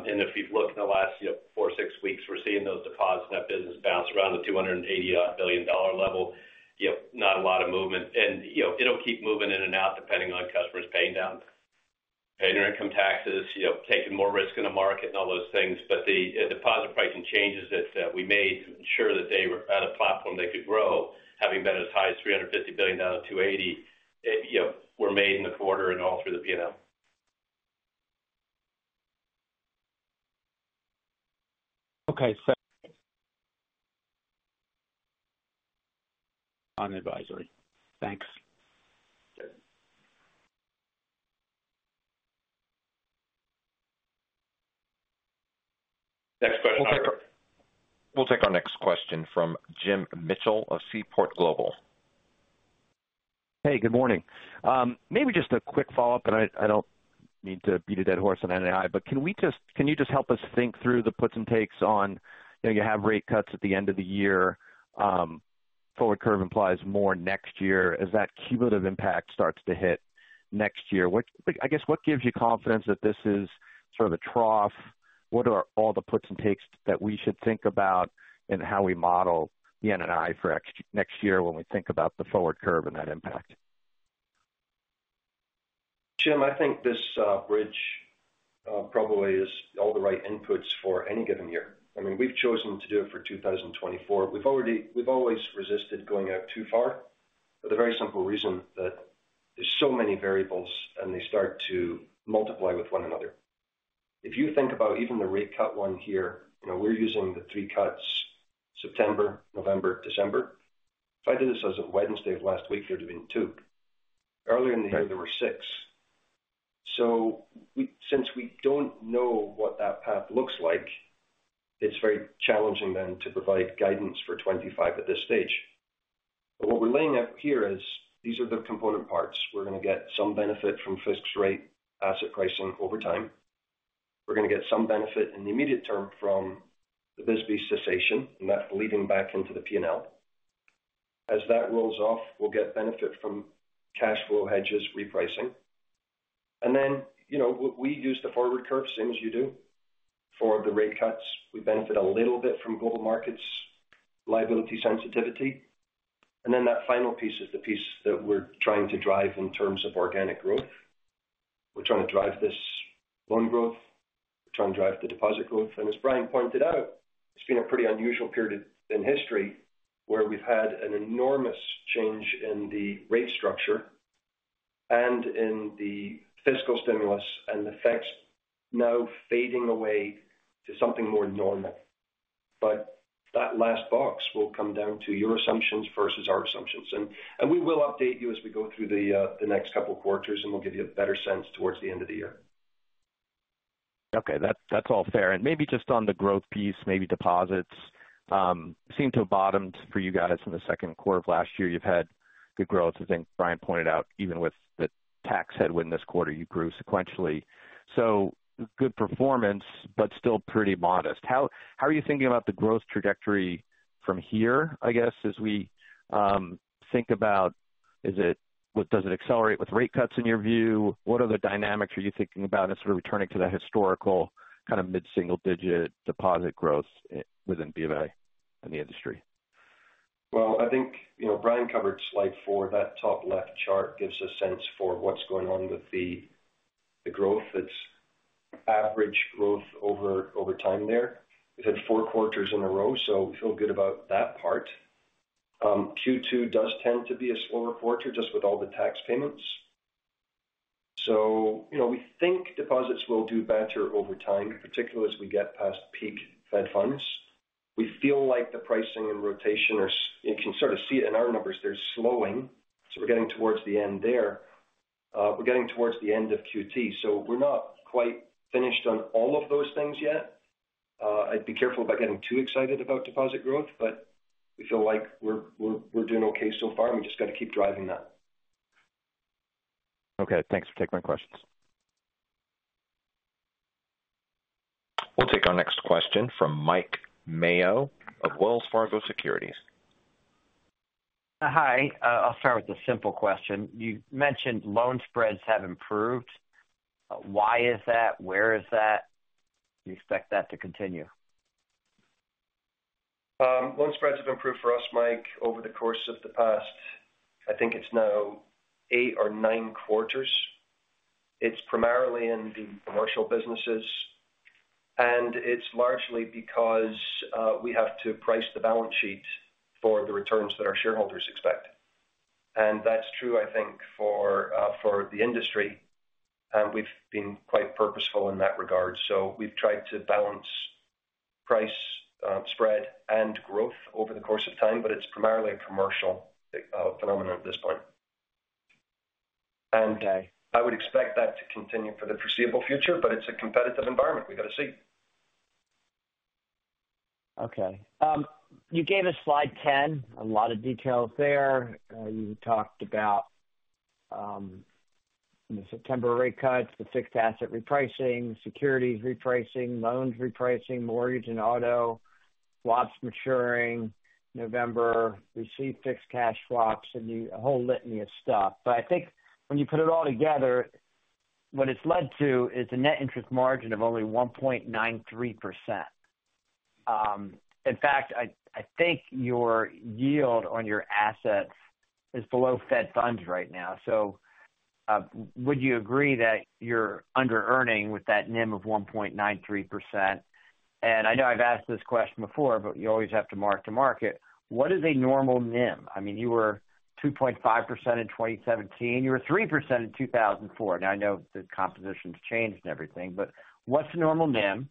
And if you've looked in the last, you know, 4-6 weeks, we're seeing those deposits in that business bounce around the $280-odd billion level. You know, not a lot of movement. And, you know, it'll keep moving in and out, depending on customers paying down, paying their income taxes, you know, taking more risk in the market and all those things. But the deposit pricing changes that we made to ensure that they were at a platform they could grow, having been as high as $350 billion down to $280, you know, were made in the quarter and all through the PNL. Okay. On advisory. Thanks. Next question. We'll take our next question from Jim Mitchell of Seaport Global. Hey, good morning. Maybe just a quick follow-up, and I don't mean to beat a dead horse on NII, but can you just help us think through the puts and takes on, you know, you have rate cuts at the end of the year, forward curve implies more next year. As that cumulative impact starts to hit next year, what I guess, what gives you confidence that this is sort of a trough? What are all the puts and takes that we should think about in how we model the NII for next year when we think about the forward curve and that impact? Jim, I think this bridge probably is all the right inputs for any given year. I mean, we've chosen to do it for 2024. We've already-- we've always resisted going out too far for the very simple reason that there's so many variables, and they start to multiply with one another. If you think about even the rate cut one here, you know, we're using the 3 cuts, September, November, December. If I did this as of Wednesday of last week, there'd have been 2. Earlier in the year, there were 6. So we-- since we don't know what that path looks like, it's very challenging then to provide guidance for 2025 at this stage. But what we're laying out here is these are the component parts. We're going to get some benefit from fixed rate asset pricing over time. We're going to get some benefit in the immediate term from the BSBY cessation, and that's leading back into the P&L. As that rolls off, we'll get benefit from cash flow hedges repricing. And then, you know, we, we use the forward curve, same as you do for the rate cuts. We benefit a little bit from Global Markets, liability sensitivity. And then that final piece is the piece that we're trying to drive in terms of organic growth. We're trying to drive this loan growth. We're trying to drive the deposit growth, and as Brian pointed out, it's been a pretty unusual period in history where we've had an enormous change in the rate structure and in the fiscal stimulus, and the effects now fading away to something more normal. But that last box will come down to your assumptions versus our assumptions. We will update you as we go through the next couple of quarters, and we'll give you a better sense towards the end of the year. Okay, that's all fair. And maybe just on the growth piece, maybe deposits seem to have bottomed for you guys in the second quarter of last year. You've had good growth. I think Brian pointed out, even with the tax headwind this quarter, you grew sequentially. So good performance, but still pretty modest. How are you thinking about the growth trajectory from here, I guess, as we think about, is it, does it accelerate with rate cuts in your view? What are the dynamics are you thinking about as we're returning to that historical kind of mid-single digit deposit growth within BofA and the industry? Well, I think, you know, Brian covered slide 4. That top left chart gives a sense for what's going on with the, the growth. It's average growth over, over time there. We've had four quarters in a row, so we feel good about that part. Q2 does tend to be a slower quarter just with all the tax payments. So, you know, we think deposits will do better over time, particularly as we get past peak Fed funds. We feel like the pricing and rotation are, you can sort of see it in our numbers, they're slowing, so we're getting towards the end there. We're getting towards the end of Q2, so we're not quite finished on all of those things yet. I'd be careful about getting too excited about deposit growth, but we feel like we're doing okay so far, and we just got to keep driving that. Okay, thanks for taking my questions. We'll take our next question from Mike Mayo of Wells Fargo Securities. Hi. I'll start with a simple question. You mentioned loan spreads have improved. Why is that? Where is that? Do you expect that to continue? Loan spreads have improved for us, Mike, over the course of the past, I think it's now eight or nine quarters. It's primarily in the commercial businesses, and it's largely because we have to price the balance sheet for the returns that our shareholders expect. And that's true, I think, for the industry, and we've been quite purposeful in that regard. So we've tried to balance price, spread and growth over the course of time, but it's primarily a commercial phenomenon at this point. Okay. I would expect that to continue for the foreseeable future, but it's a competitive environment. We've got to see. Okay, you gave us slide 10, a lot of details there. You talked about the September rate cuts, the fixed asset repricing, securities repricing, loans repricing, mortgage and auto, swaps maturing, November, receive-fixed cash swaps, and the whole litany of stuff. But I think when you put it all together, what it's led to is a net interest margin of only 1.93%. In fact, I think your yield on your assets is below Fed funds right now. So, would you agree that you're underearning with that NIM of 1.93%? And I know I've asked this question before, but you always have to mark to market. What is a normal NIM? I mean, you were 2.5% in 2017, you were 3% in 2004. Now, I know the composition's changed and everything, but what's normal NIM,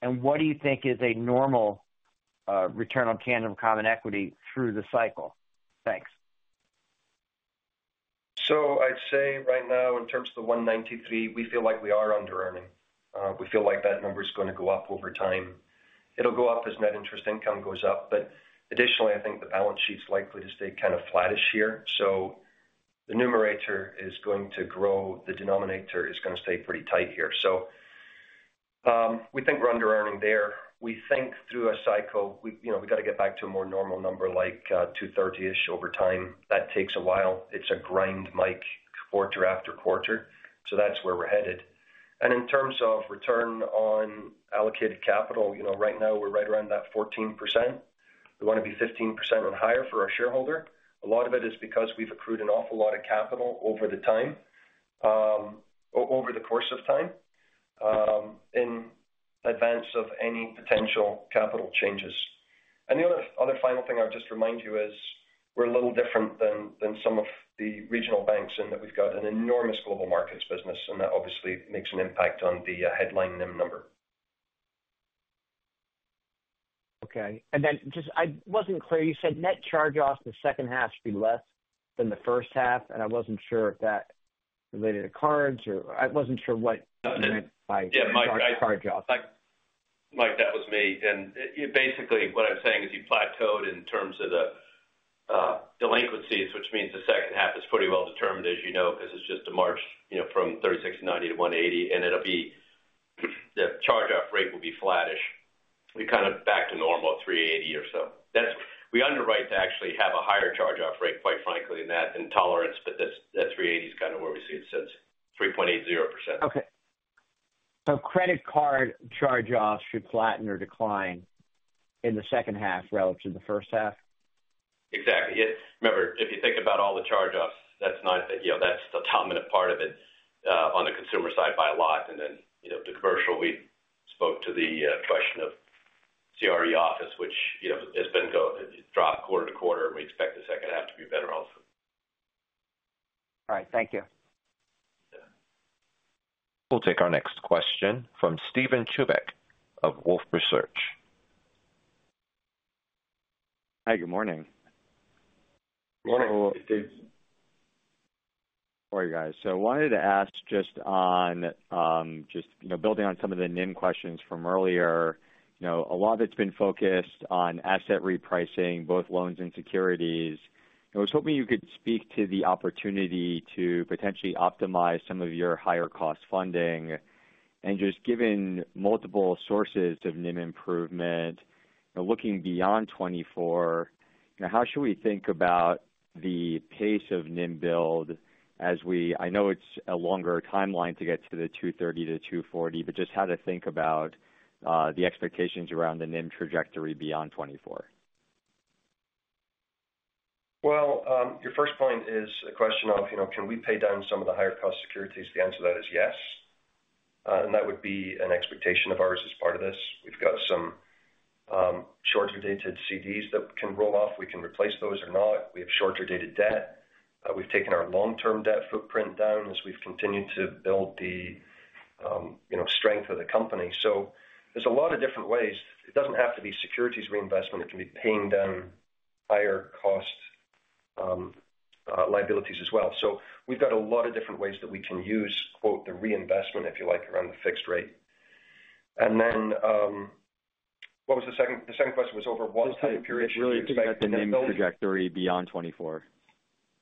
and what do you think is a normal return on tangible common equity through the cycle? Thanks. So I'd say right now, in terms of the 193, we feel like we are underearning. We feel like that number is going to go up over time. It'll go up as net interest income goes up, but additionally, I think the balance sheet's likely to stay kind of flattish here. So the numerator is going to grow. The denominator is going to stay pretty tight here. So, we think we're underearning there. We think through a cycle, we, you know, we've got to get back to a more normal number, like, 230-ish over time. That takes a while. It's a grind, Mike, quarter after quarter. So that's where we're headed. And in terms of return on allocated capital, you know, right now we're right around that 14%. We want to be 15% or higher for our shareholder. A lot of it is because we've accrued an awful lot of capital over the course of time in advance of any potential capital changes. And the other final thing I'll just remind you is, we're a little different than some of the regional banks, in that we've got an enormous Global Markets business, and that obviously makes an impact on the headline NIM number. Okay. And then just I wasn't clear, you said net charge-offs in the second half should be less than the first half, and I wasn't sure if that related to cards or I wasn't sure what you meant by- Yeah, Mike- -charge off.... Mike, that was me. And, basically, what I'm saying is you plateaued in terms of the, delinquencies, which means the second half is pretty well determined, as you know, because it's just a march, you know, from 3.69% to 1.80%, and it'll be, the charge-off rate will be flattish. We're kind of back to normal, 3.80% or so. That's. We underwrite to actually have a higher charge-off rate, quite frankly, than that in tolerance, but that's, that 3.80% is kind of where we see it since 3.80%. Okay. So credit card charge-offs should flatten or decline in the second half relative to the first half? Exactly. Yes. Remember, if you think about all the charge-offs, that's not, you know, that's the dominant part of it on the consumer side by a lot. And then, you know, the commercial, we spoke to the question of CRE office, which, you know, has been go- dropped quarter-over-quarter, and we expect the second half to be better also. All right. Thank you. Yeah. We'll take our next question from Steven Chubak of Wolfe Research. Hi, good morning. Good morning, Steve. How are you guys? So I wanted to ask just on, just, you know, building on some of the NIM questions from earlier. You know, a lot that's been focused on asset repricing, both loans and securities. I was hoping you could speak to the opportunity to potentially optimize some of your higher cost funding. And just given multiple sources of NIM improvement, looking beyond 2024, how should we think about the pace of NIM build as we... I know it's a longer timeline to get to the 2.30%-2.40%, but just how to think about, the expectations around the NIM trajectory beyond 2024. Well, your first point is a question of, you know, can we pay down some of the higher cost securities? The answer to that is yes. And that would be an expectation of ours as part of this. We've got some, shorter-dated CDs that can roll off. We can replace those or not. We have shorter-dated debt. We've taken our long-term debt footprint down as we've continued to build the, you know, strength of the company. So there's a lot of different ways. It doesn't have to be securities reinvestment. It can be paying down higher cost, liabilities as well. So we've got a lot of different ways that we can use, quote, the reinvestment, if you like, around the fixed rate. And then, what was the second, the second question was over what time period- Really expect the NIM trajectory beyond 2024.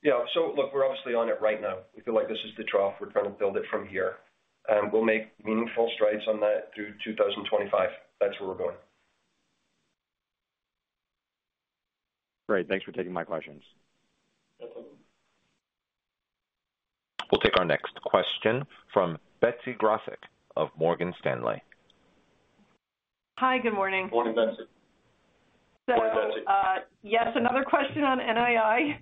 Yeah. So look, we're obviously on it right now. We feel like this is the trough. We're trying to build it from here, and we'll make meaningful strides on that through 2025. That's where we're going. Great. Thanks for taking my questions. Welcome. We'll take our next question from Betsy Graseck of Morgan Stanley. Hi, good morning. Morning, Betsy. Morning, Betsy. So, yes, another question on NII.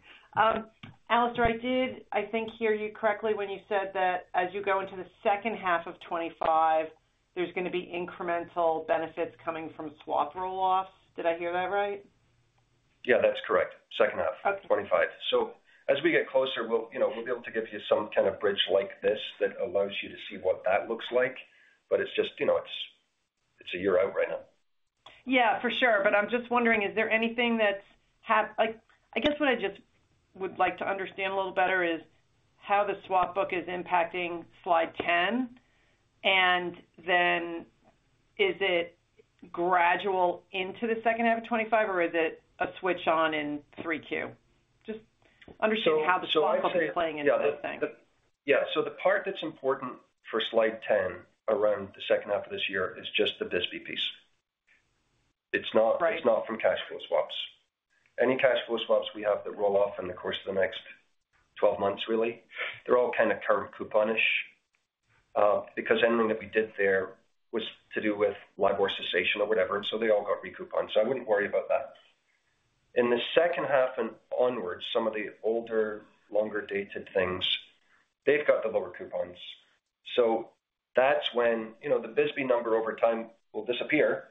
Alastair, I did, I think, hear you correctly when you said that as you go into the second half of 2025, there's going to be incremental benefits coming from swap roll-offs. Did I hear that right? Yeah, that's correct. Second half of 2025. Okay. So as we get closer, we'll, you know, we'll be able to give you some kind of bridge like this that allows you to see what that looks like. But it's just, you know, it's a year out right now. Yeah, for sure. But I'm just wondering, is there anything that's like, I guess what I just would like to understand a little better is how the swap book is impacting slide 10, and then is it gradual into the second half of 2025, or is it a switch on in 3Q? Just understanding how the swap company is playing into this thing. Yeah. So the part that's important for slide 10 around the second half of this year is just the BSBY piece. Right. It's not, it's not from cash flow swaps. Any cash flow swaps we have that roll off in the course of the next twelve months, really, they're all kind of current coupon-ish, because anything that we did there was to do with LIBOR cessation or whatever, and so they all got re-couponed, so I wouldn't worry about that. In the second half and onwards, some of the older, longer-dated things, they've got the lower coupons. So that's when, you know, the BSBY number over time will disappear,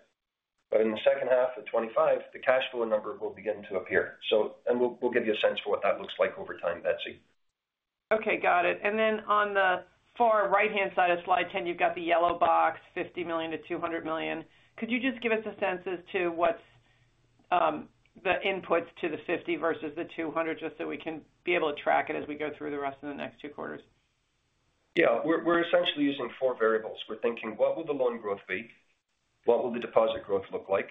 but in the second half of 2025, the cash flow number will begin to appear. So and we'll, we'll give you a sense for what that looks like over time, Betsy. Okay, got it. And then on the far right-hand side of slide 10, you've got the yellow box, $50 million-$200 million. Could you just give us a sense as to what's the inputs to the 50 versus the 200, just so we can be able to track it as we go through the rest of the next two quarters? Yeah. We're, we're essentially using four variables. We're thinking, what will the loan growth be? What will the deposit growth look like?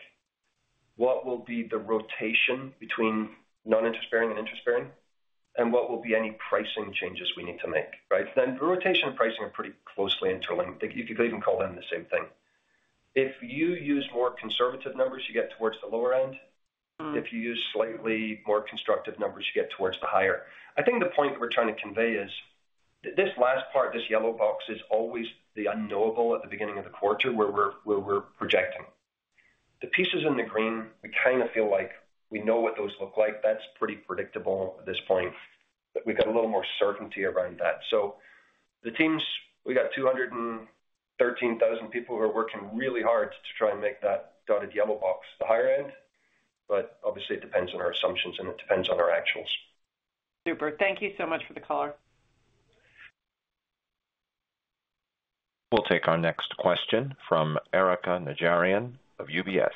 What will be the rotation between non-interest bearing and interest bearing? And what will be any pricing changes we need to make, right? Then rotation and pricing are pretty closely interlinked. You, you could even call them the same thing. If you use more conservative numbers, you get towards the lower end. Mm-hmm. If you use slightly more constructive numbers, you get towards the higher. I think the point we're trying to convey is, this last part, this yellow box, is always the unknowable at the beginning of the quarter, where we're projecting. The pieces in the green, we kind of feel like we know what those look like. That's pretty predictable at this point, that we've got a little more certainty around that. So the teams, we got 213,000 people who are working really hard to try and make that dotted yellow box the higher end, but obviously, it depends on our assumptions, and it depends on our actuals. Super. Thank you so much for the color. We'll take our next question from Erika Najarian of UBS....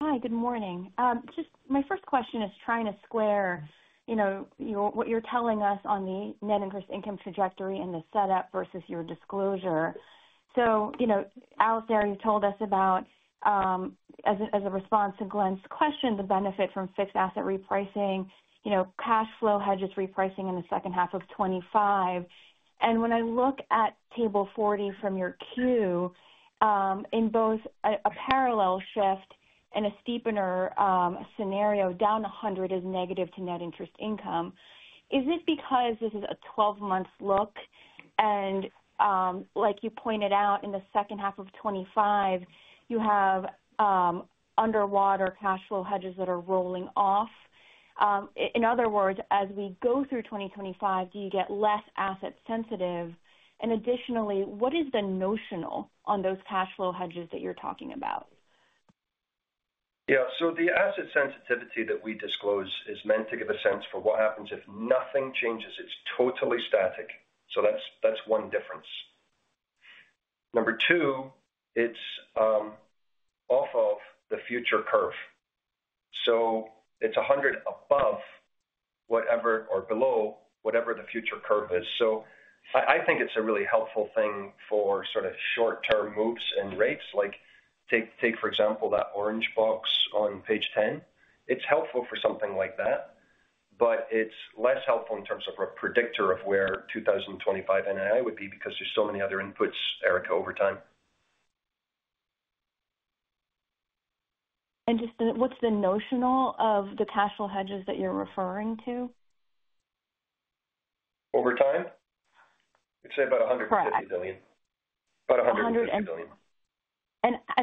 Hi, good morning. Just my first question is trying to square, you know, your, what you're telling us on the net interest income trajectory and the setup versus your disclosure. So, you know, Alastair, you told us about, as a response to Glenn's question, the benefit from fixed asset repricing, you know, cash flow hedges repricing in the second half of 2025. And when I look at table 40 from your Q, in both a parallel shift and a steepener scenario, down 100 is negative to net interest income. Is it because this is a 12-month look and, like you pointed out in the second half of 2025, you have underwater cash flow hedges that are rolling off? In other words, as we go through 2025, do you get less asset sensitive? Additionally, what is the notional on those cash flow hedges that you're talking about? Yeah, so the asset sensitivity that we disclose is meant to give a sense for what happens if nothing changes. It's totally static. So that's, that's one difference. Number two, it's off of the future curve, so it's 100 above whatever or below whatever the future curve is. So I, I think it's a really helpful thing for sort of short-term moves and rates. Like take, take, for example, that orange box on page 10. It's helpful for something like that, but it's less helpful in terms of a predictor of where 2025 NII would be because there's so many other inputs, Erika, over time. And just what's the notional of the cash flow hedges that you're referring to? Over time? I'd say about $150 billion. Correct. About $150 billion.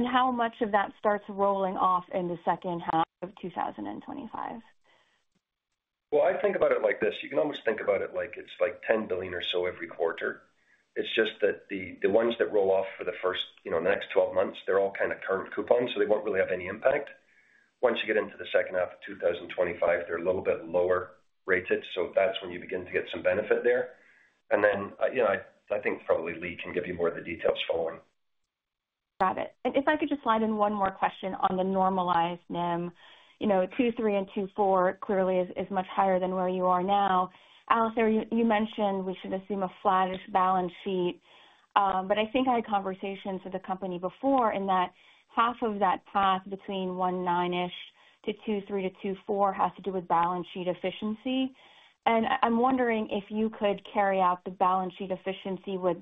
How much of that starts rolling off in the second half of 2025? Well, I think about it like this. You can almost think about it like it's like $10 billion or so every quarter. It's just that the, the ones that roll off for the first, you know, next 12 months, they're all kind of curved coupons, so they won't really have any impact. Once you get into the second half of 2025, they're a little bit lower rated, so that's when you begin to get some benefit there. And then, you know, I, I think probably Lee can give you more of the details going forward. Got it. And if I could just slide in one more question on the normalized NIM. You know, 2.3 and 2.4 clearly is much higher than where you are now. Alastair, you mentioned we should assume a flattish balance sheet, but I think I had conversations with the company before, and that half of that path between 1.9-ish to 2.3 to 2.4 has to do with balance sheet efficiency. And I'm wondering if you could carry out the balance sheet efficiency with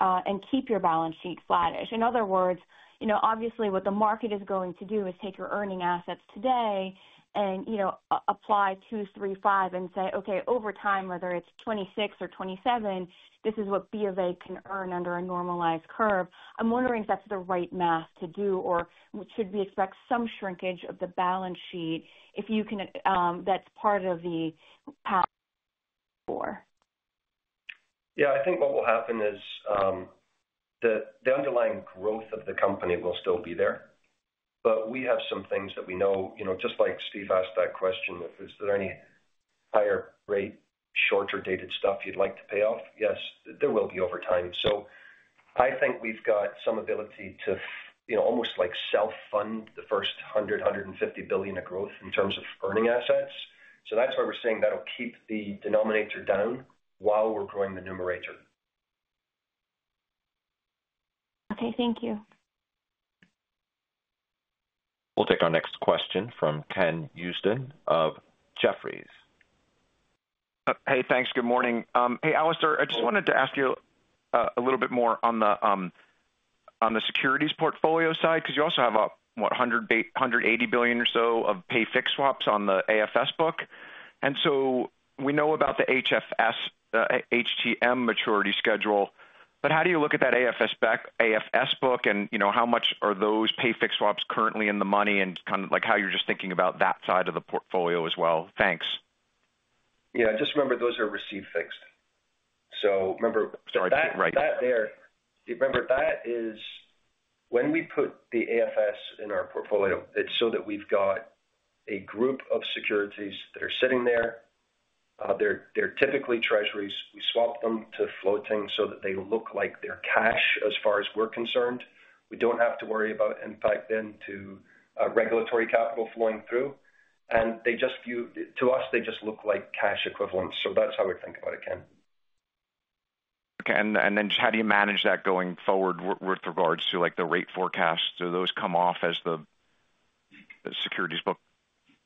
and keep your balance sheet flattish. In other words, you know, obviously what the market is going to do is take your earning assets today and, you know, apply 2.35 and say, okay, over time, whether it's 2026 or 2027, this is what B of A can earn under a normalized curve. I'm wondering if that's the right math to do, or should we expect some shrinkage of the balance sheet if you can, that's part of the path for? Yeah, I think what will happen is, the underlying growth of the company will still be there. But we have some things that we know, you know, just like Steve asked that question, if is there any higher rate, shorter-dated stuff you'd like to pay off? Yes, there will be over time. So I think we've got some ability to, you know, almost like self-fund the first $150 billion of growth in terms of earning assets. So that's why we're saying that'll keep the denominator down while we're growing the numerator. Okay, thank you. We'll take our next question from Ken Usdin of Jefferies. Hey, thanks. Good morning. Hey, Alastair, I just wanted to ask you a little bit more on the securities portfolio side, because you also have about, what, $880 billion or so of pay-fixed swaps on the AFS book. And so we know about the HFS, HTM maturity schedule, but how do you look at that AFS book and, you know, how much are those pay-fixed swaps currently in the money and kind of like how you're just thinking about that side of the portfolio as well? Thanks. Yeah, just remember, those are receive-fixed. So remember- Sorry. That, that there—remember, that is when we put the AFS in our portfolio, it's so that we've got a group of securities that are sitting there. They're typically treasuries. We swap them to floating so that they look like they're cash as far as we're concerned. We don't have to worry about impact then to regulatory capital flowing through, and they just view—to us, they just look like cash equivalents. So that's how we think about it, Ken. Okay, and then just how do you manage that going forward with regards to, like, the rate forecast? Do those come off as the securities book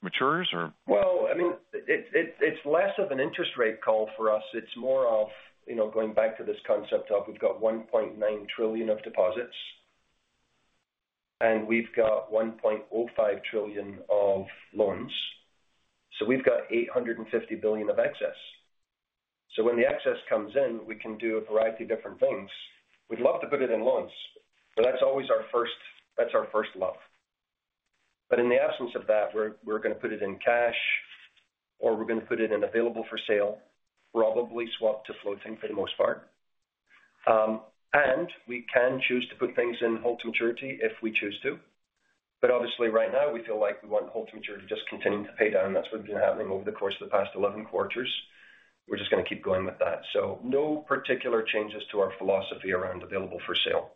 matures or? Well, I mean, it's less of an interest rate call for us. It's more of, you know, going back to this concept of we've got $1.9 trillion of deposits, and we've got $1.05 trillion of loans. So we've got $850 billion of excess. So when the excess comes in, we can do a variety of different things. We'd love to put it in loans, but that's always our first, that's our first love. But in the absence of that, we're going to put it in cash, or we're going to put it in available for sale, probably swap to floating for the most part. And we can choose to put things in hold to maturity if we choose to. But obviously right now we feel like we want hold to maturity just continuing to pay down. That's what's been happening over the course of the past 11 quarters.... We're just gonna keep going with that. So no particular changes to our philosophy around available-for-sale.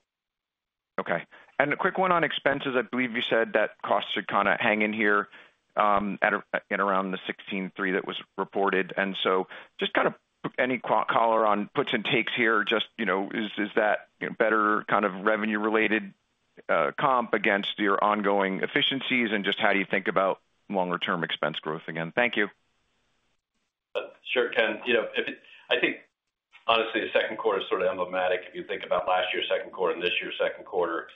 Okay. A quick one on expenses. I believe you said that costs should kind of hang in here at around the $16.3 billion that was reported. So just kind of any color on puts and takes here, just, you know, is that better kind of revenue-related comp against your ongoing efficiencies? And just how do you think about longer-term expense growth again? Thank you. Sure, Ken. You know, I think honestly, the second quarter is sort of emblematic. If you think about last year's second quarter and this year's second quarter,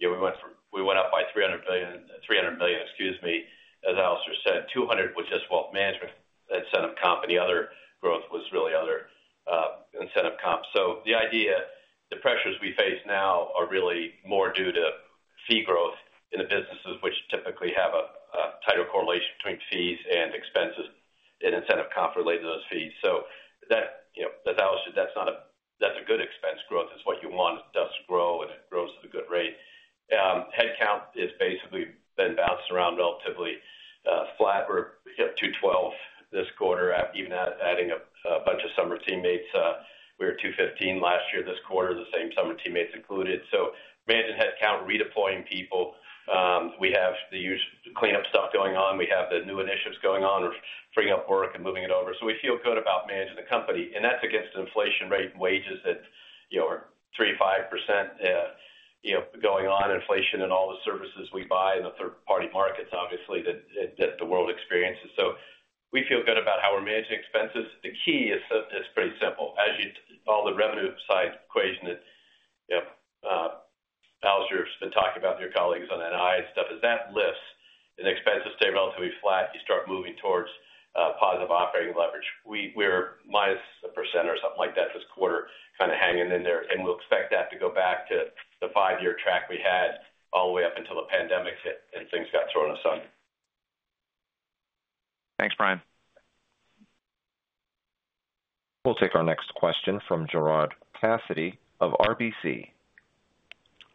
you know, we went up by $300 billion, $300 million, excuse me. As Alastair said, $200, which is wealth management incentive comp, and the other growth was really other incentive comp. So the idea, the pressures we face now are really more due to fee growth in the businesses, which typically have a tighter correlation between fees and expenses and incentive comp related to those fees. So that, you know, as Alastair. That's not a - that's a good expense. Growth is what you want. It does grow, and it grows at a good rate. Headcount is basically been bouncing around relatively flat. We're at 212 this quarter, even adding up a bunch of summer teammates. We were 215 last year this quarter, the same summer teammates included. So managing headcount, redeploying people, we have the usual cleanup stuff going on. We have the new initiatives going on. We're freeing up work and moving it over. So we feel good about managing the company, and that's against an inflation rate and wages that, you know, are 3%-5%, you know, going on inflation and all the services we buy in the third-party markets, obviously, that the world experiences. So we feel good about how we're managing expenses. The key is pretty simple. As you all the revenue side equation that, you know, Alastair's been talking about with your colleagues on NII and stuff, as that lifts and expenses stay relatively flat, you start moving towards positive operating leverage. We're minus 1% or something like that this quarter, kind of hanging in there, and we'll expect that to go back to the five-year track we had all the way up until the pandemic hit and things got thrown aside. Thanks, Brian. We'll take our next question from Gerard Cassidy of RBC.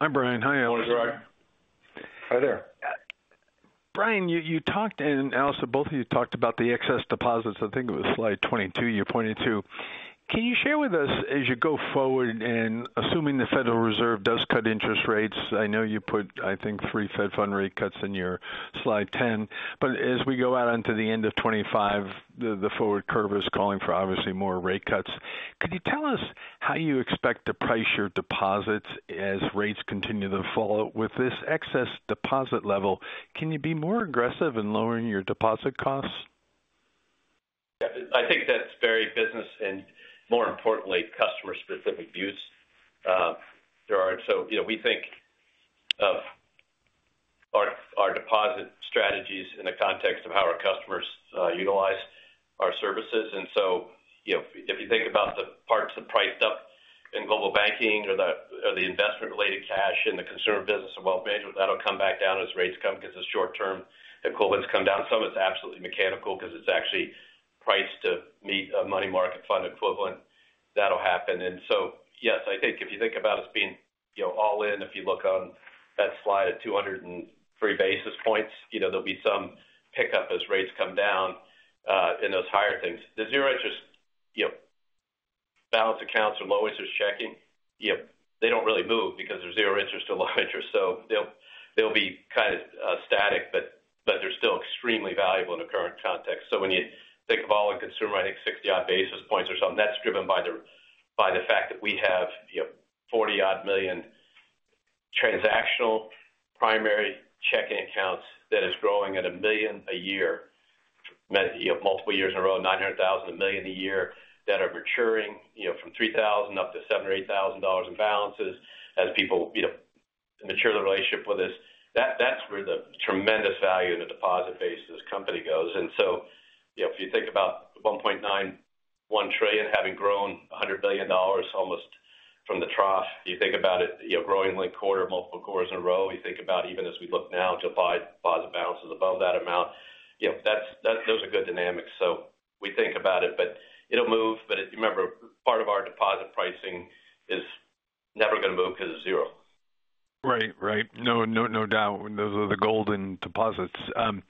Hi, Brian. Hi, Alastair. Hello, Gerard. Hi there. Brian, you talked, and Alastair, both of you talked about the excess deposits. I think it was slide 22 you pointed to. Can you share with us as you go forward and assuming the Federal Reserve does cut interest rates? I know you put, I think, three Fed fund rate cuts in your slide 10. But as we go out onto the end of 2025, the forward curve is calling for obviously more rate cuts. Could you tell us how you expect to price your deposits as rates continue to fall? With this excess deposit level, can you be more aggressive in lowering your deposit costs? I think that's very business and more importantly, customer-specific views. So, you know, we think of our, our deposit strategies in the context of how our customers utilize our services. And so, you know, if you think about the parts that priced up in global banking or the investment-related cash in the consumer business and wealth management, that'll come back down as rates come, because the short-term equivalents come down. Some of it's absolutely mechanical because it's actually priced to meet a money market fund equivalent. That'll happen. And so, yes, I think if you think about us being, you know, all in, if you look on that slide at 203 basis points, you know, there'll be some pickup as rates come down in those higher things. The zero interest, you know, balance accounts or low interest checking, yep, they don't really move because there's zero interest or low interest. So they'll, they'll be kind of static, but, but they're still extremely valuable in the current context. So when you think of all in consumer, I think 60-odd basis points or something, that's driven by the, by the fact that we have, you know, 40-odd million transactional primary checking accounts that is growing at a million a year, you know, multiple years in a row, 900,000, a million a year, that are maturing, you know, from $3,000 up to $7,000 or $8,000 in balances as people, you know, mature the relationship with us. That, that's where the tremendous value in the deposit base of this company goes. So, you know, if you think about $1.9 trillion, having grown $100 billion almost from the trough, you think about it, you know, growing linked quarter, multiple quarters in a row. You think about even as we look now to 5-positive balances above that amount, you know, that's - that - those are good dynamics. So we think about it, but it'll move. But remember, part of our deposit pricing is never going to move because it's zero. Right. Right. No, no, no doubt. Those are the golden deposits. And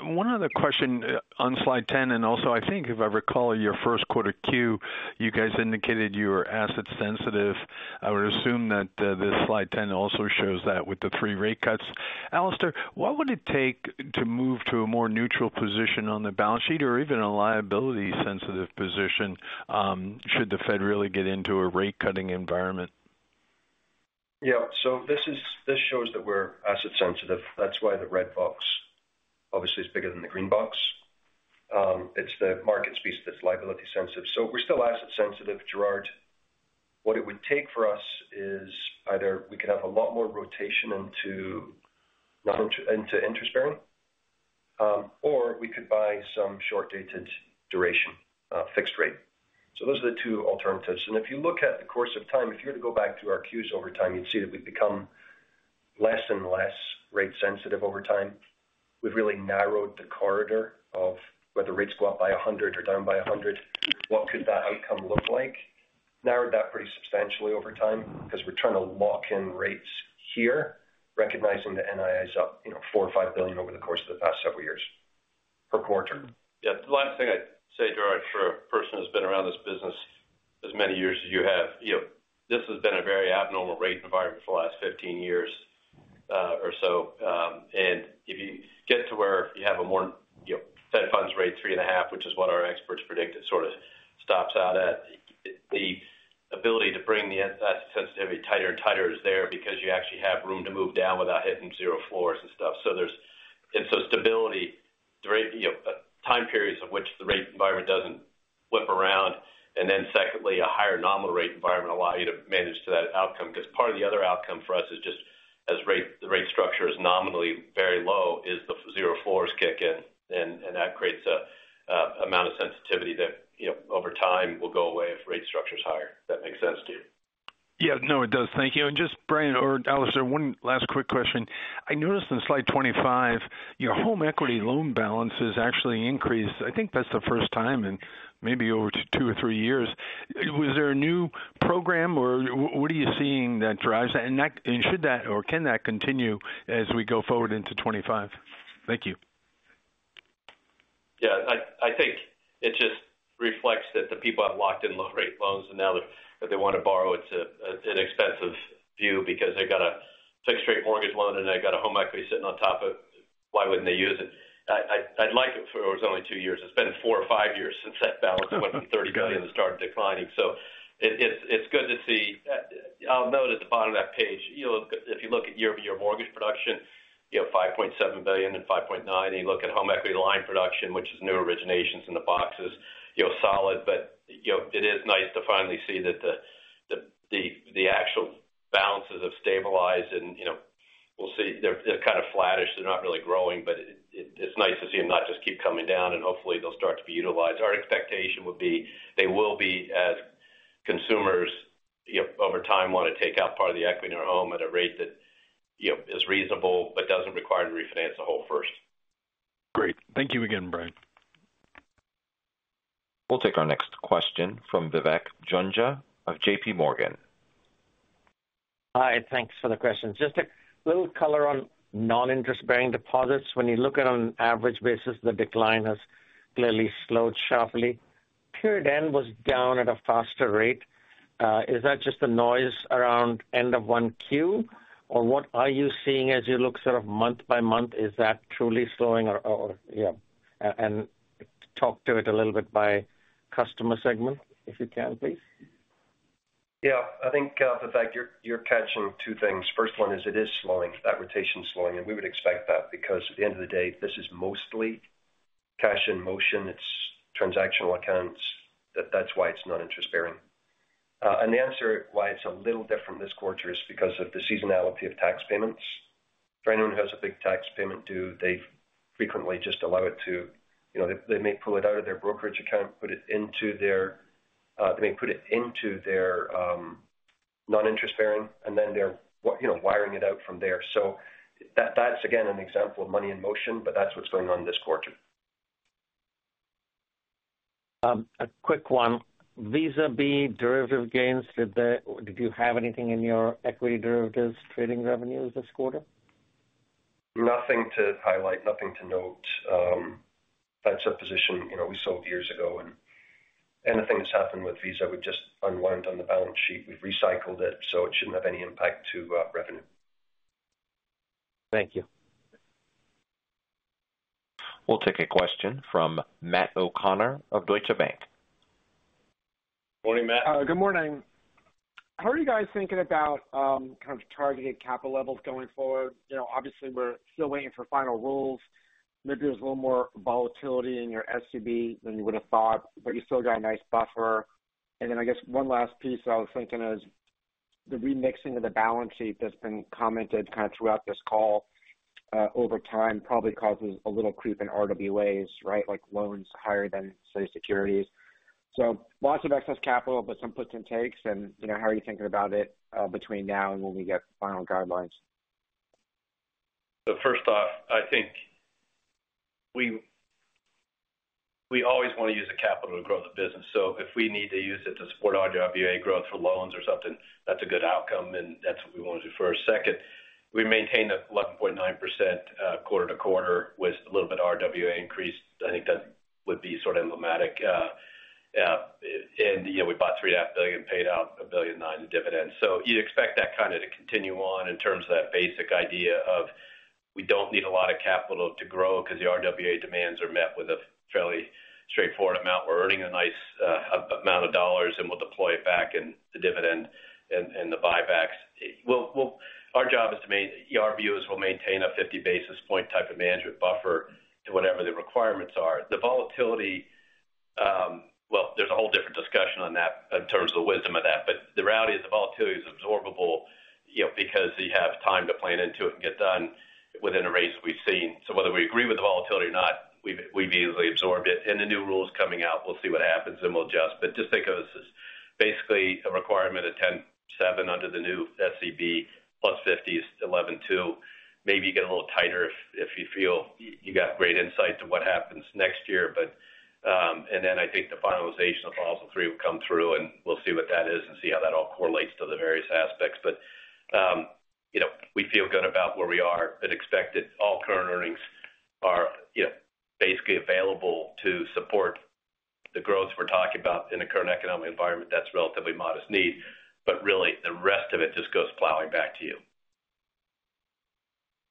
one other question on slide 10, and also, I think if I recall your first quarter Q, you guys indicated you were asset sensitive. I would assume that this slide 10 also shows that with the 3 rate cuts. Alastair, what would it take to move to a more neutral position on the balance sheet or even a liability-sensitive position, should the Fed really get into a rate-cutting environment? Yeah. So this shows that we're asset sensitive. That's why the red box obviously is bigger than the green box. It's the market piece that's liability sensitive. So we're still asset sensitive, Gerard. What it would take for us is either we could have a lot more rotation into loans, into interest bearing, or we could buy some short-dated duration, fixed rate. So those are the two alternatives. And if you look at the course of time, if you were to go back to our Qs over time, you'd see that we've become less and less rate sensitive over time. We've really narrowed the corridor of whether rates go up by 100 or down by 100. What could that outcome look like?... narrowed that pretty substantially over time because we're trying to lock in rates here, recognizing the NII is up, you know, $4 billion-$5 billion over the course of the past several years per quarter. Yeah. The last thing I'd say, Gerard, for a person who's been around this business as many years as you have, you know, this has been a very abnormal rate environment for the last 15 years or so. And if you get to where you have a more, you know, Fed funds rate, 3.5, which is what our experts predict, it sort of stops out at, the ability to bring the asset sensitivity tighter and tighter is there because you actually have room to move down without hitting zero floors and stuff. So there's and so stability, the rate, you know, time periods of which the rate environment doesn't flip around, and then secondly, a higher nominal rate environment allow you to manage to that outcome. Because part of the other outcome for us is just as rate, the rate structure is nominally very low, is the zero floors kick in, and, and that creates a amount of sensitivity that, you know, over time will go away if rate structure is higher. If that makes sense to you. Yeah. No, it does. Thank you. And just Brian or Alastair, one last quick question. I noticed on slide 25, your home equity loan balances actually increased. I think that's the first time in maybe over two or three years. Was there a new program, or what are you seeing that drives that? And that and should that or can that continue as we go forward into 2025? Thank you. Yeah, I think it just reflects that the people have locked in low rate loans, and now if they want to borrow, it's an expensive view because they've got a fixed-rate mortgage loan, and they've got a home equity sitting on top of it. Why wouldn't they use it? I'd like it if it was only 2 years. It's been 4 or 5 years since that balance went from $30 billion and started declining. So it's good to see. I'll note at the bottom of that page, you know, if you look at year-over-year mortgage production, you know, $5.7 billion and $5.9 billion, and you look at home equity line production, which is new originations in the boxes, you know, solid. But, you know, it is nice to finally see that the actual balances have stabilized and, you know, we'll see. They're kind of flattish. They're not really growing, but it's nice to see them not just keep coming down, and hopefully they'll start to be utilized. Our expectation would be they will be as consumers, you know, over time, want to take out part of the equity in their home at a rate that, you know, is reasonable, but doesn't require to refinance the whole first. Great. Thank you again, Brian. We'll take our next question from Vivek Juneja of J.P. Morgan. Hi, thanks for the question. Just a little color on non-interest-bearing deposits. When you look at on an average basis, the decline has clearly slowed sharply. Period end was down at a faster rate. Is that just the noise around end of one Q, or what are you seeing as you look sort of month by month? Is that truly slowing or, and talk to it a little bit by customer segment, if you can, please. Yeah, I think, Vivek, you're catching two things. First one is it is slowing. That rotation is slowing, and we would expect that because at the end of the day, this is mostly cash in motion. It's transactional accounts. That's why it's non-interest-bearing. And the answer why it's a little different this quarter is because of the seasonality of tax payments. For anyone who has a big tax payment due, they frequently just allow it to ... You know, they may pull it out of their brokerage account, put it into their non-interest-bearing, and then they're, you know, wiring it out from there. So that, that's, again, an example of money in motion, but that's what's going on this quarter. A quick one. Visa B derivative gains, did you have anything in your equity derivatives trading revenues this quarter? Nothing to highlight, nothing to note. That's a position, you know, we sold years ago, and anything that's happened with Visa, we just unwound on the balance sheet. We've recycled it, so it shouldn't have any impact to revenue. Thank you. We'll take a question from Matt O'Connor of Deutsche Bank. Morning, Matt. Good morning. How are you guys thinking about kind of targeting capital levels going forward? You know, obviously, we're still waiting for final rules. Maybe there's a little more volatility in your SCB than you would have thought, but you still got a nice buffer. And then I guess one last piece I was thinking is, the remixing of the balance sheet that's been commented kind of throughout this call, over time, probably causes a little creep in RWAs, right? Like loans higher than, say, securities. So lots of excess capital, but some puts and takes. And, you know, how are you thinking about it, between now and when we get final guidelines? The first thought, I think we, we always want to use the capital to grow the business. So if we need to use it to support RWA growth for loans or something, that's a good outcome, and that's what we want to do first. Second, we maintain the 11.9%, quarter to quarter with a little bit of RWA increase. I think that would be sort of emblematic. And, you know, we bought $3.5 billion, paid out $1.9 billion in dividends. So you'd expect that kind of to continue on in terms of that basic idea of, we don't need a lot of capital to grow because the RWA demands are met with a fairly straightforward amount. We're earning a nice, amount of dollars, and we'll deploy it back in the dividend and, and the buybacks. Our job is to maintain. Our view is we'll maintain a 50 basis point type of management buffer to whatever the requirements are. The volatility, well, there's a whole different discussion on that in terms of the wisdom of that. But the reality is the volatility is absorbable, you know, because you have time to plan into it and get done within the rates we've seen. So whether we agree with the volatility or not, we've, we've easily absorbed it. And the new rules coming out, we'll see what happens, and we'll adjust. But just think of this as basically a requirement of 10.7 under the new SCB, plus 50 is 11.2. Maybe you get a little tighter if, if you feel you, you got great insight to what happens next year. But, and then I think the finalization of Basel III will come through, and we'll see what that is and see how that all correlates to the various aspects. But, you know, we feel good about where we are, but expect that all current earnings are, you know, basically available to support the growth we're talking about in the current economic environment. That's a relatively modest need, but really, the rest of it just goes plowing back to you.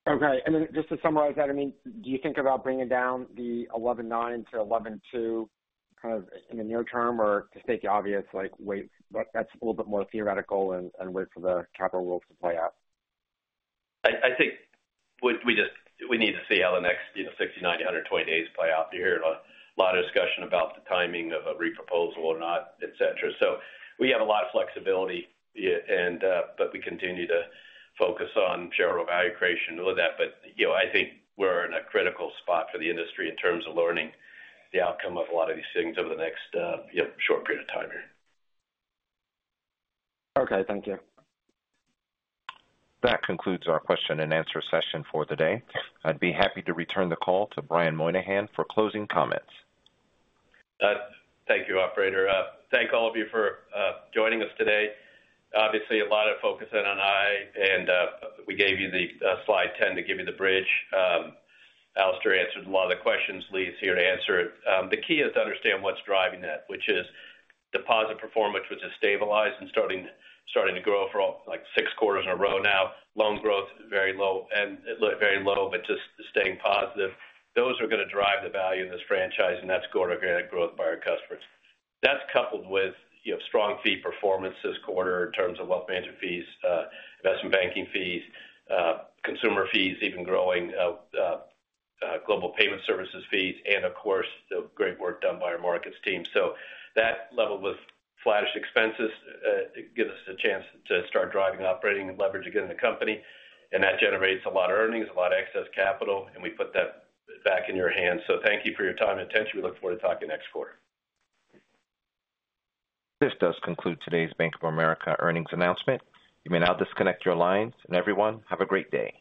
Okay. And then just to summarize that, I mean, do you think about bringing down the 11.9 to 11.2, kind of in the near term, or to state the obvious, like, wait, that's a little bit more theoretical and, and wait for the capital rules to play out? I think we just need to see how the next, you know, 60, 90, 120 days play out. You hear a lot of discussion about the timing of a reproposal or not, et cetera. So we have a lot of flexibility, yeah, and but we continue to focus on shareholder value creation and all of that. But, you know, I think we're in a critical spot for the industry in terms of learning the outcome of a lot of these things over the next, you know, short period of time here. Okay, thank you. That concludes our question-and-answer session for the day. I'd be happy to return the call to Brian Moynihan for closing comments. Thank you, operator. Thank all of you for joining us today. Obviously, a lot of focus in on I, and we gave you the slide 10 to give you the bridge. Alastair answered a lot of the questions. Lee is here to answer it. The key is to understand what's driving that, which is deposit performance, which has stabilized and starting to grow for all, like, six quarters in a row now. Loan growth is very low, and it looked very low, but just staying positive. Those are going to drive the value of this franchise, and that's core organic growth by our customers. That's coupled with, you know, strong fee performance this quarter in terms of wealth management fees, investment banking fees, consumer fees, even growing, global payment services fees, and of course, the great work done by our markets team. So that, level with flatish expenses, gives us a chance to start driving operating leverage again in the company, and that generates a lot of earnings, a lot of excess capital, and we put that back in your hands. So thank you for your time and attention. We look forward to talking next quarter. This does conclude today's Bank of America earnings announcement. You may now disconnect your lines, and everyone, have a great day.